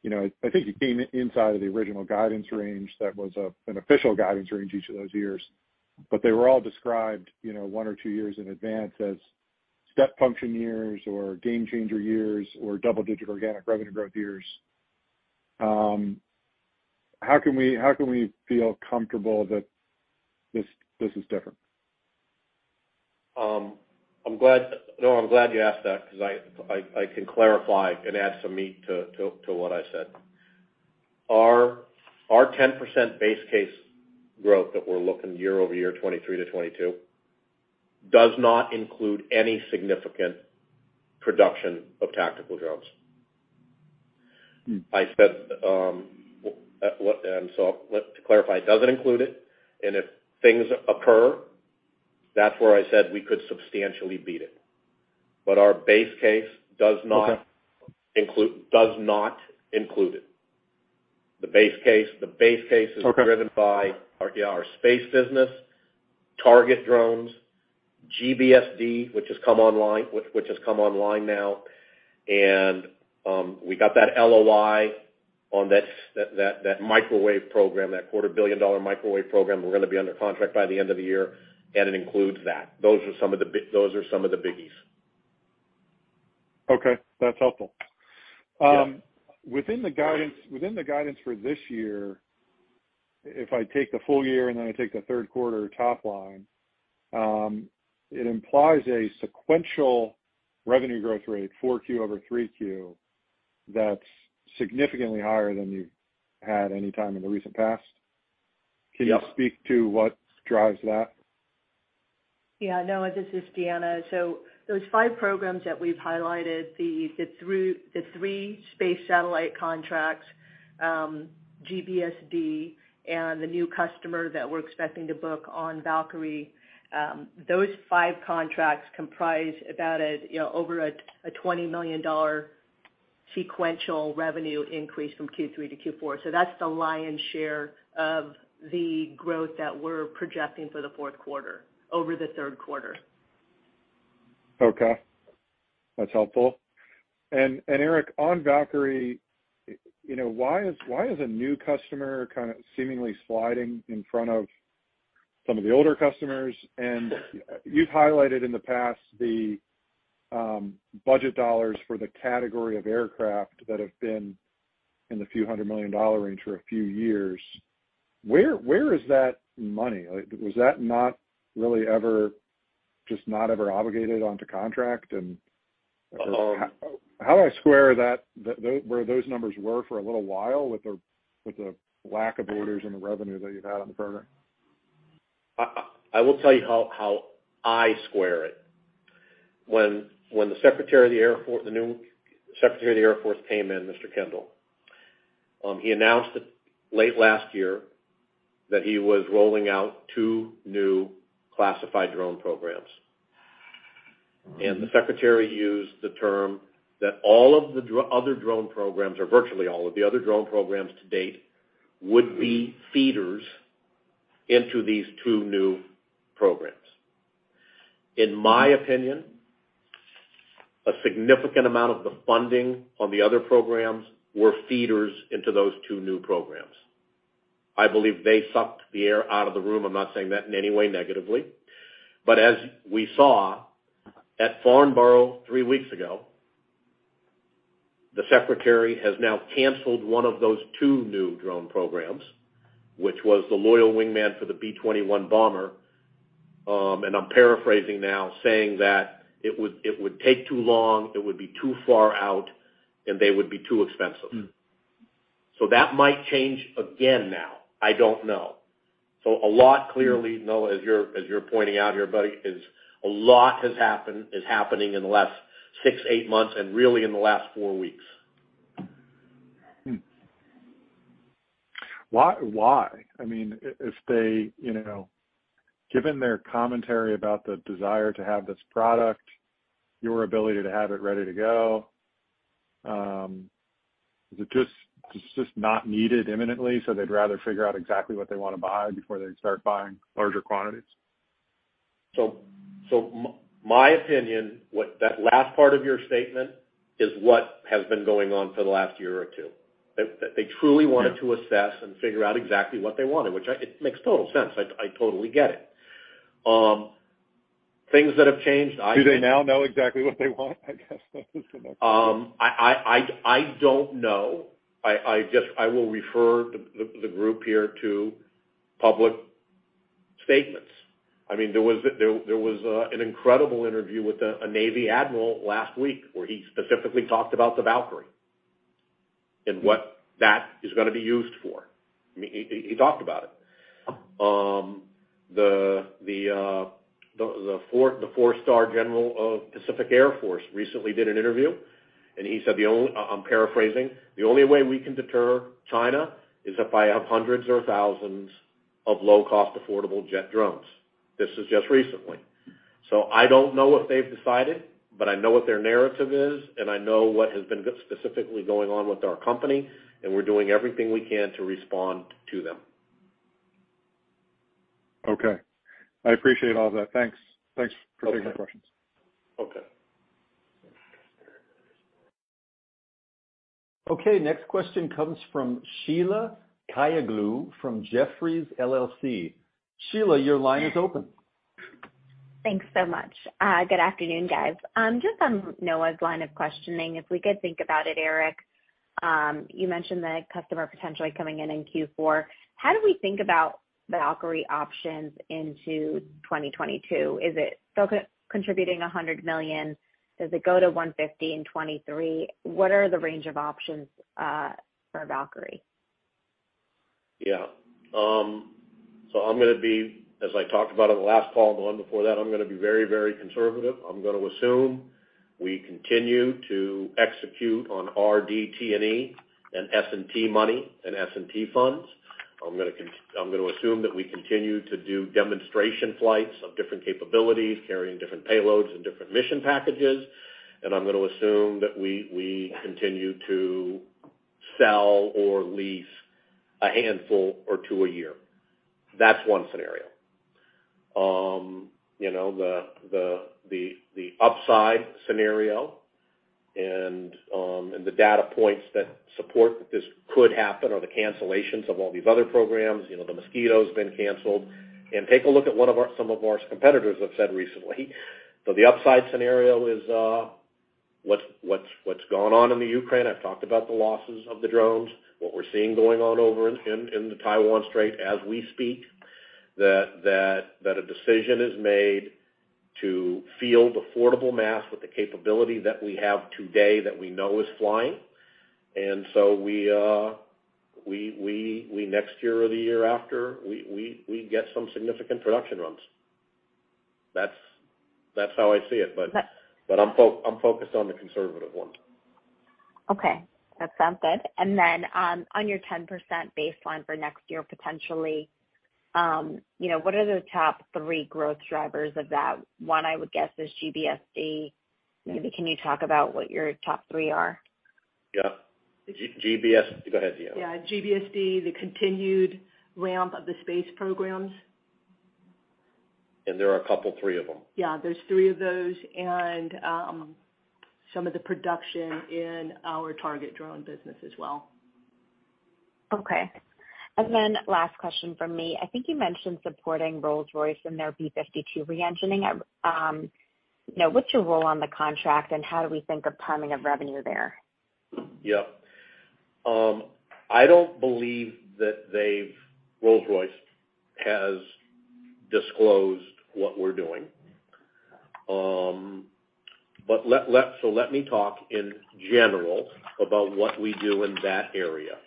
I think you came inside of the original guidance range that was an official guidance range each of those years. They were all described, you know, one or two years in advance as step function years or game changer years or double digit organic revenue growth years. How can we feel comfortable that this is different? I'm glad you asked that because I can clarify and add some meat to what I said. Our 10% base case growth that we're looking year-over-year, 2023 to 2022, does not include any significant production of tactical drones. Mm. I said, and so to clarify, it doesn't include it, and if things occur, that's where I said we could substantially beat it. But our base case does not. Okay. Does not include it. The base case. Okay. is driven by our space business, target drones, GBSD, which has come online now. We got that LOI on that microwave program, that quarter billion dollar microwave program. We're gonna be under contract by the end of the year, and it includes that. Those are some of the biggies. Okay. That's helpful. Yeah. Within the guidance for this year, if I take the full year, and then I take the third quarter top line, it implies a sequential revenue growth rate, 4Q over 3Q, that's significantly higher than you've had any time in the recent past. Yeah. Can you speak to what drives that? Yeah. Noah, this is Deanna. Those five programs that we've highlighted, the three space satellite contracts, GBSD and the new customer that we're expecting to book on Valkyrie, those five contracts comprise about, you know, over a $20 million sequential revenue increase from Q3 to Q4. That's the lion's share of the growth that we're projecting for the fourth quarter over the third quarter. Okay. That's helpful. Eric, on Valkyrie, you know, why is a new customer kinda seemingly sliding in front of some of the older customers? You've highlighted in the past the budget dollars for the category of aircraft that have been in the $ few hundred million range for a few years. Where is that money? Like, was that not really ever, just not ever obligated onto contract? Um- How do I square that, where those numbers were for a little while with the lack of orders and the revenue that you've had on the program? I will tell you how I square it. When the Secretary of the Air Force, the new Secretary of the Air Force came in, Mr. Kendall, he announced late last year that he was rolling out two new classified drone programs. Mm-hmm. The secretary used the term that all of the other drone programs, or virtually all of the other drone programs to date would be feeders into these two new programs. In my opinion, a significant amount of the funding on the other programs were feeders into those two new programs. I believe they sucked the air out of the room. I'm not saying that in any way negatively. As we saw at Farnborough three weeks ago, the secretary has now canceled one of those two new drone programs, which was the Loyal Wingman for the B-21 bomber. I'm paraphrasing now, saying that it would take too long, it would be too far out, and they would be too expensive. Mm. That might change again now. I don't know. A lot clearly, Noah, as you're pointing out here, buddy, is a lot has happened, is happening in the last 6-8 months and really in the last 4 weeks. Why? I mean, if they, you know, given their commentary about the desire to have this product, your ability to have it ready to go, it's just not needed imminently, so they'd rather figure out exactly what they wanna buy before they start buying larger quantities? My opinion, what that last part of your statement is what has been going on for the last year or two. They truly wanted to assess and figure out exactly what they wanted, which it makes total sense. I totally get it. Things that have changed. Do they now know exactly what they want, I guess? I don't know. I will refer the group here to public statements. I mean, there was an incredible interview with a Navy admiral last week where he specifically talked about the Valkyrie and what that is gonna be used for. I mean, he talked about it. The four-star general of Pacific Air Forces recently did an interview, and he said, "The only way we can deter China is if I have hundreds or thousands of low cost, affordable jet drones." I'm paraphrasing. This is just recently. I don't know what they've decided, but I know what their narrative is, and I know what has been specifically going on with our company, and we're doing everything we can to respond to them. Okay. I appreciate all that. Thanks. Thanks for taking the questions. Okay. Okay, next question comes from Sheila Kahyaoglu from Jefferies LLC. Sheila, your line is open. Thanks so much. Good afternoon, guys. Just on Noah's line of questioning, if we could think about it, Eric, you mentioned the customer potentially coming in in Q4. How do we think about Valkyrie options into 2022? Is it still co-contributing $100 million? Does it go to $150 million in 2023? What are the range of options for Valkyrie? Yeah. As I talked about on the last call, the one before that, I'm gonna be very, very conservative. I'm gonna assume we continue to execute on R&D, T&E and S&T money and S&T funds. I'm gonna assume that we continue to do demonstration flights of different capabilities, carrying different payloads and different mission packages. I'm gonna assume that we continue to sell or lease a handful or two a year. That's one scenario. You know, the upside scenario and the data points that support that this could happen are the cancellations of all these other programs, you know, the Mosquito's been canceled. Take a look at some of our competitors have said recently. The upside scenario is what's gone on in the Ukraine. I've talked about the losses of the drones, what we're seeing going on over in the Taiwan Strait as we speak, that a decision is made to field affordable mass with the capability that we have today that we know is flying. We next year or the year after, we get some significant production runs. That's how I see it. But- I'm focused on the conservative one. Okay, that sounds good. On your 10% baseline for next year, potentially, you know, what are the top three growth drivers of that? One, I would guess is GBSD. Maybe can you talk about what your top three are? Yeah. Go ahead, Deanna. Yeah. GBSD, the continued ramp of the space programs. There are a couple, three of them. Yeah, there's three of those and some of the production in our target drone business as well. Okay. Last question from me. I think you mentioned supporting Rolls-Royce and their B-52 re-engining. Now, what's your role on the contract, and how do we think of timing of revenue there? Yeah. I don't believe that Rolls-Royce has disclosed what we're doing. So let me talk in general about what we do in that area.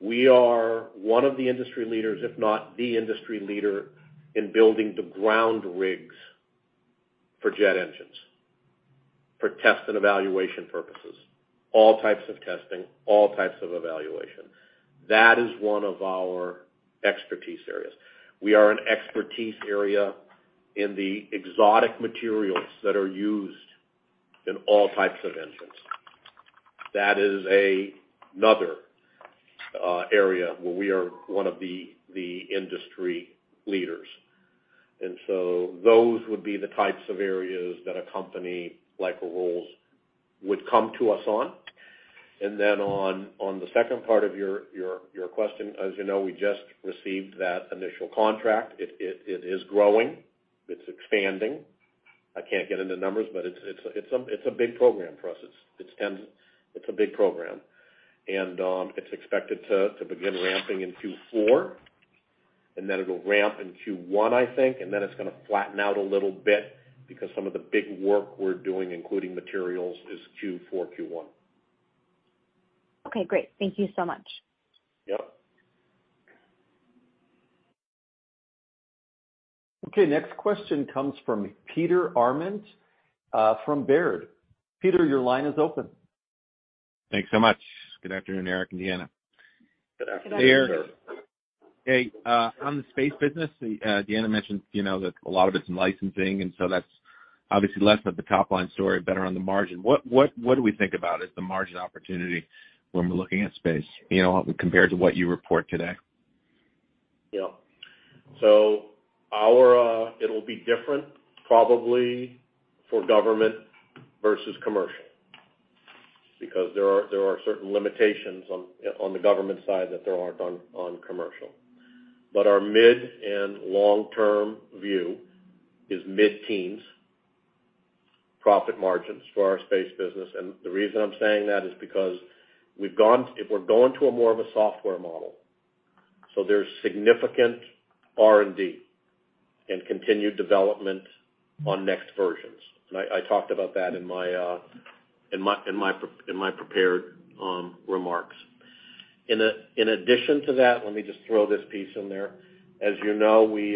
We are one of the industry leaders, if not the industry leader, in building the ground rigs for jet engines for test and evaluation purposes, all types of testing, all types of evaluation. That is one of our expertise areas. We are an expertise area in the exotic materials that are used in all types of engines. That is another area where we are one of the industry leaders. Those would be the types of areas that a company like Rolls would come to us on. Then on the second part of your question, as you know, we just received that initial contract. It is growing. It's expanding. I can't get into numbers, but it's a big program for us. It's a big program. It's expected to begin ramping in Q4, and then it'll ramp in Q1, I think, and then it's gonna flatten out a little bit because some of the big work we're doing, including materials, is Q4, Q1. Okay, great. Thank you so much. Yep. Okay. Next question comes from Peter Arment from Baird. Peter, your line is open. Thanks so much. Good afternoon, Eric and Deanna. Good afternoon, Peter. Good afternoon. Hey, on the space business, Deanna mentioned, you know, that a lot of it's in licensing, and so that's obviously less of the top-line story, better on the margin. What do we think about as the margin opportunity when we're looking at space, you know, compared to what you report today? Our it'll be different probably for government versus commercial because there are certain limitations on the government side that there aren't on commercial. Our mid- and long-term view is mid-teens profit margins for our space business, and the reason I'm saying that is because if we're going to a more of a software model, there's significant R&D and continued development on next versions. I talked about that in my prepared remarks. In addition to that, let me just throw this piece in there. As you know, we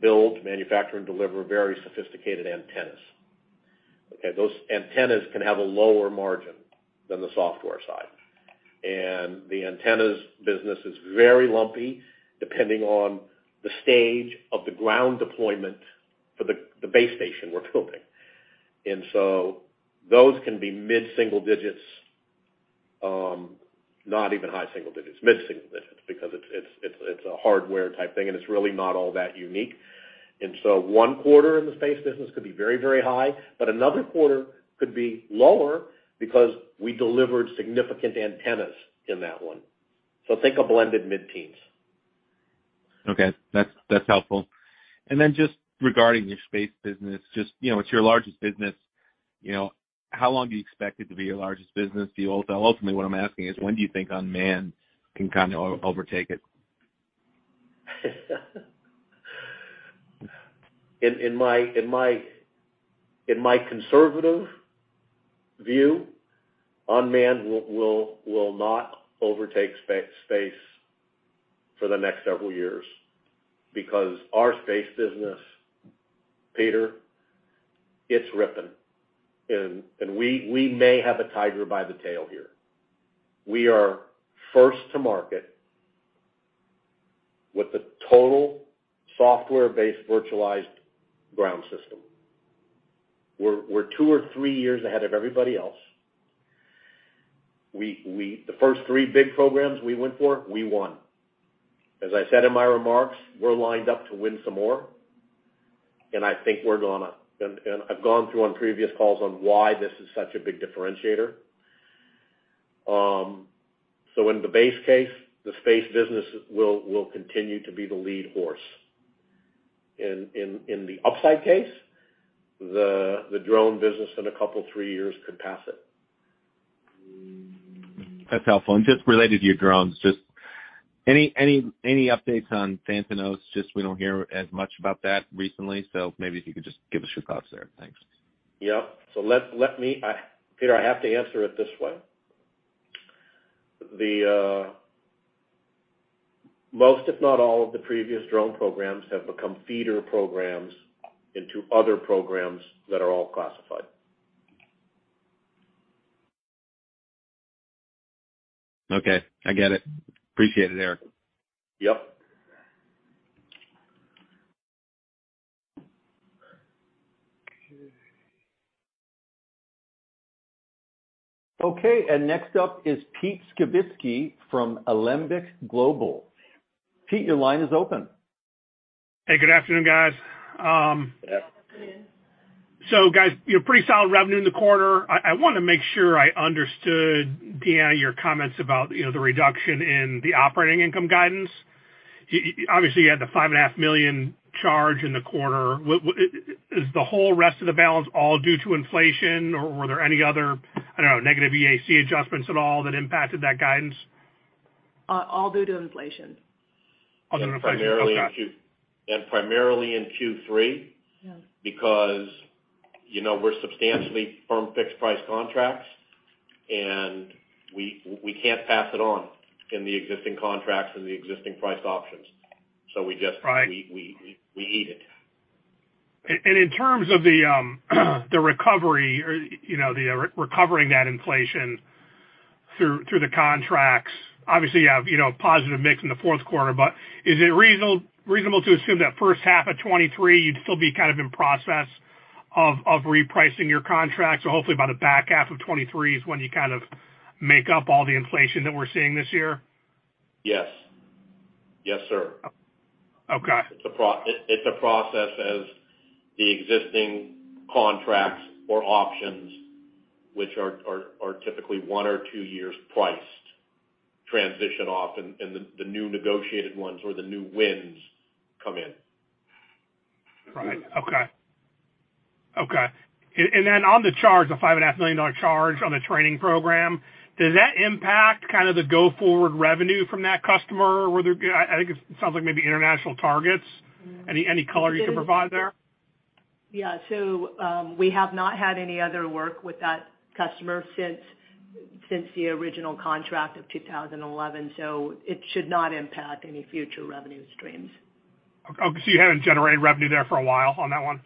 build, manufacture, and deliver very sophisticated antennas. Those antennas can have a lower margin than the software side. The antennas business is very lumpy, depending on the stage of the ground deployment for the base station we're building. Those can be mid-single digits, not even high single digits, mid-single digits because it's a hardware type thing, and it's really not all that unique. One quarter in the space business could be very high, but another quarter could be lower because we delivered significant antennas in that one. Think a blended mid-teens. Okay. That's helpful. Just regarding your space business, just, you know, it's your largest business, you know, how long do you expect it to be your largest business? Ultimately, what I'm asking is when do you think unmanned can kinda overtake it? In my conservative view, unmanned will not overtake space for the next several years because our space business, Peter, it's ripping. We may have a tiger by the tail here. We are first to market with a total software-based virtualized ground system. We're two or three years ahead of everybody else. The first three big programs we went for, we won. As I said in my remarks, we're lined up to win some more, and I think we're gonna. I've gone through on previous calls on why this is such a big differentiator. So in the base case, the space business will continue to be the lead horse. In the upside case, the drone business in a couple, three years could pass it. That's helpful. Just related to your drones, just any updates on Phantom Ghost? Just we don't hear as much about that recently, so maybe if you could just give us your thoughts there. Thanks. Yep. Let me, Peter. I have to answer it this way. The most, if not all, of the previous drone programs have become feeder programs into other programs that are all classified. Okay, I get it. Appreciate it, Eric. Yep. Okay. Next up is Peter Skibitski from Alembic Global. Peter, your line is open. Hey, good afternoon, guys. Guys, pretty solid revenue in the quarter. I wanna make sure I understood, Deanna, your comments about, you know, the reduction in the operating income guidance. Obviously, you had the $5.5 million charge in the quarter. What is the whole rest of the balance all due to inflation, or were there any other, I don't know, negative EAC adjustments at all that impacted that guidance? All due to inflation. All due to inflation. Okay. primarily in Q3. Yes. Because, you know, we're substantially firm-fixed-price contracts, and we can't pass it on in the existing contracts and the existing price options. We just- Right. We eat it. In terms of the recovery or, you know, the recovering that inflation through the contracts, obviously you have, you know, positive mix in the fourth quarter, but is it reasonable to assume that first half of 2023, you'd still be kind of in process of repricing your contracts? Hopefully by the back half of 2023 is when you kind of make up all the inflation that we're seeing this year. Yes. Yes, sir. Okay. It's a process as the existing contracts or options, which are typically one or two years priced, transition off and the new negotiated ones or the new wins come in. Right. Okay. Then on the charge, the $5.5 million charge on the training program, does that impact kind of the go-forward revenue from that customer? I think it sounds like maybe international targets. Any color you can provide there? We have not had any other work with that customer since the original contract of 2011. It should not impact any future revenue streams. Okay. You haven't generated revenue there for a while on that one?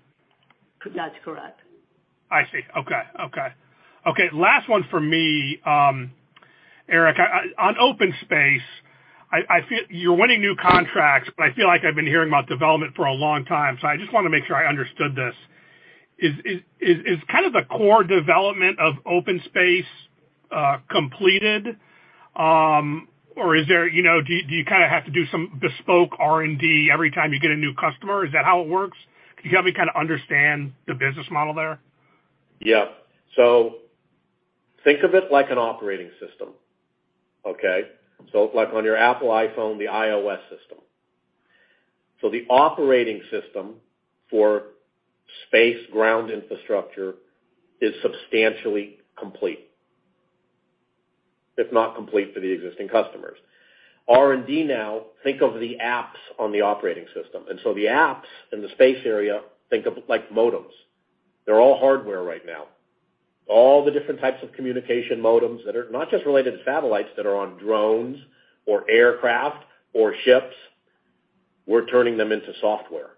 That's correct. I see. Okay, last one for me, Eric. I feel you're winning new contracts, but I feel like I've been hearing about development for a long time, so I just wanna make sure I understood this. Is kind of the core development of OpenSpace completed? Or is there, you know? Do you kinda have to do some bespoke R&D every time you get a new customer? Is that how it works? Can you help me kinda understand the business model there? Yeah. Think of it like an operating system. Okay? Like on your Apple iPhone, the iOS system. The operating system for space ground infrastructure is substantially complete, if not complete for the existing customers. R&D now, think of the apps on the operating system. The apps in the space area, think of like modems. They're all hardware right now. All the different types of communication modems that are not just related to satellites that are on drones or aircraft or ships, we're turning them into software.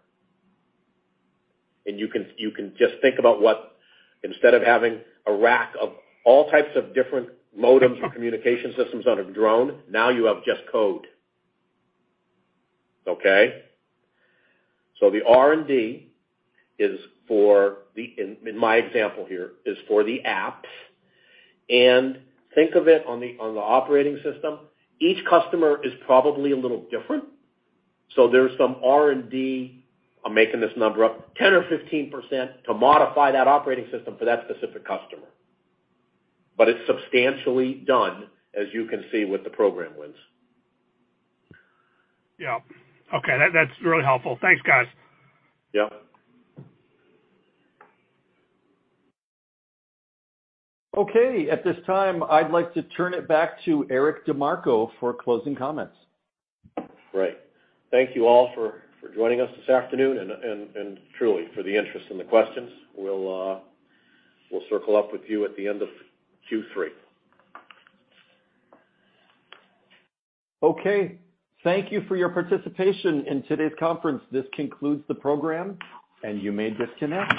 You can just think about what instead of having a rack of all types of different modems or communication systems on a drone, now you have just code. Okay? The R&D is for the, in my example here, is for the apps. Think of it on the operating system. Each customer is probably a little different, so there's some R&D, I'm making this number up, 10% or 15% to modify that operating system for that specific customer. It's substantially done, as you can see, with the program wins. Yeah. Okay. That, that's really helpful. Thanks, guys. Yep. Okay, at this time, I'd like to turn it back to Eric DeMarco for closing comments. Great. Thank you all for joining us this afternoon and truly for the interest and the questions. We'll circle up with you at the end of Q3. Okay, thank you for your participation in today's conference. This concludes the program, and you may disconnect.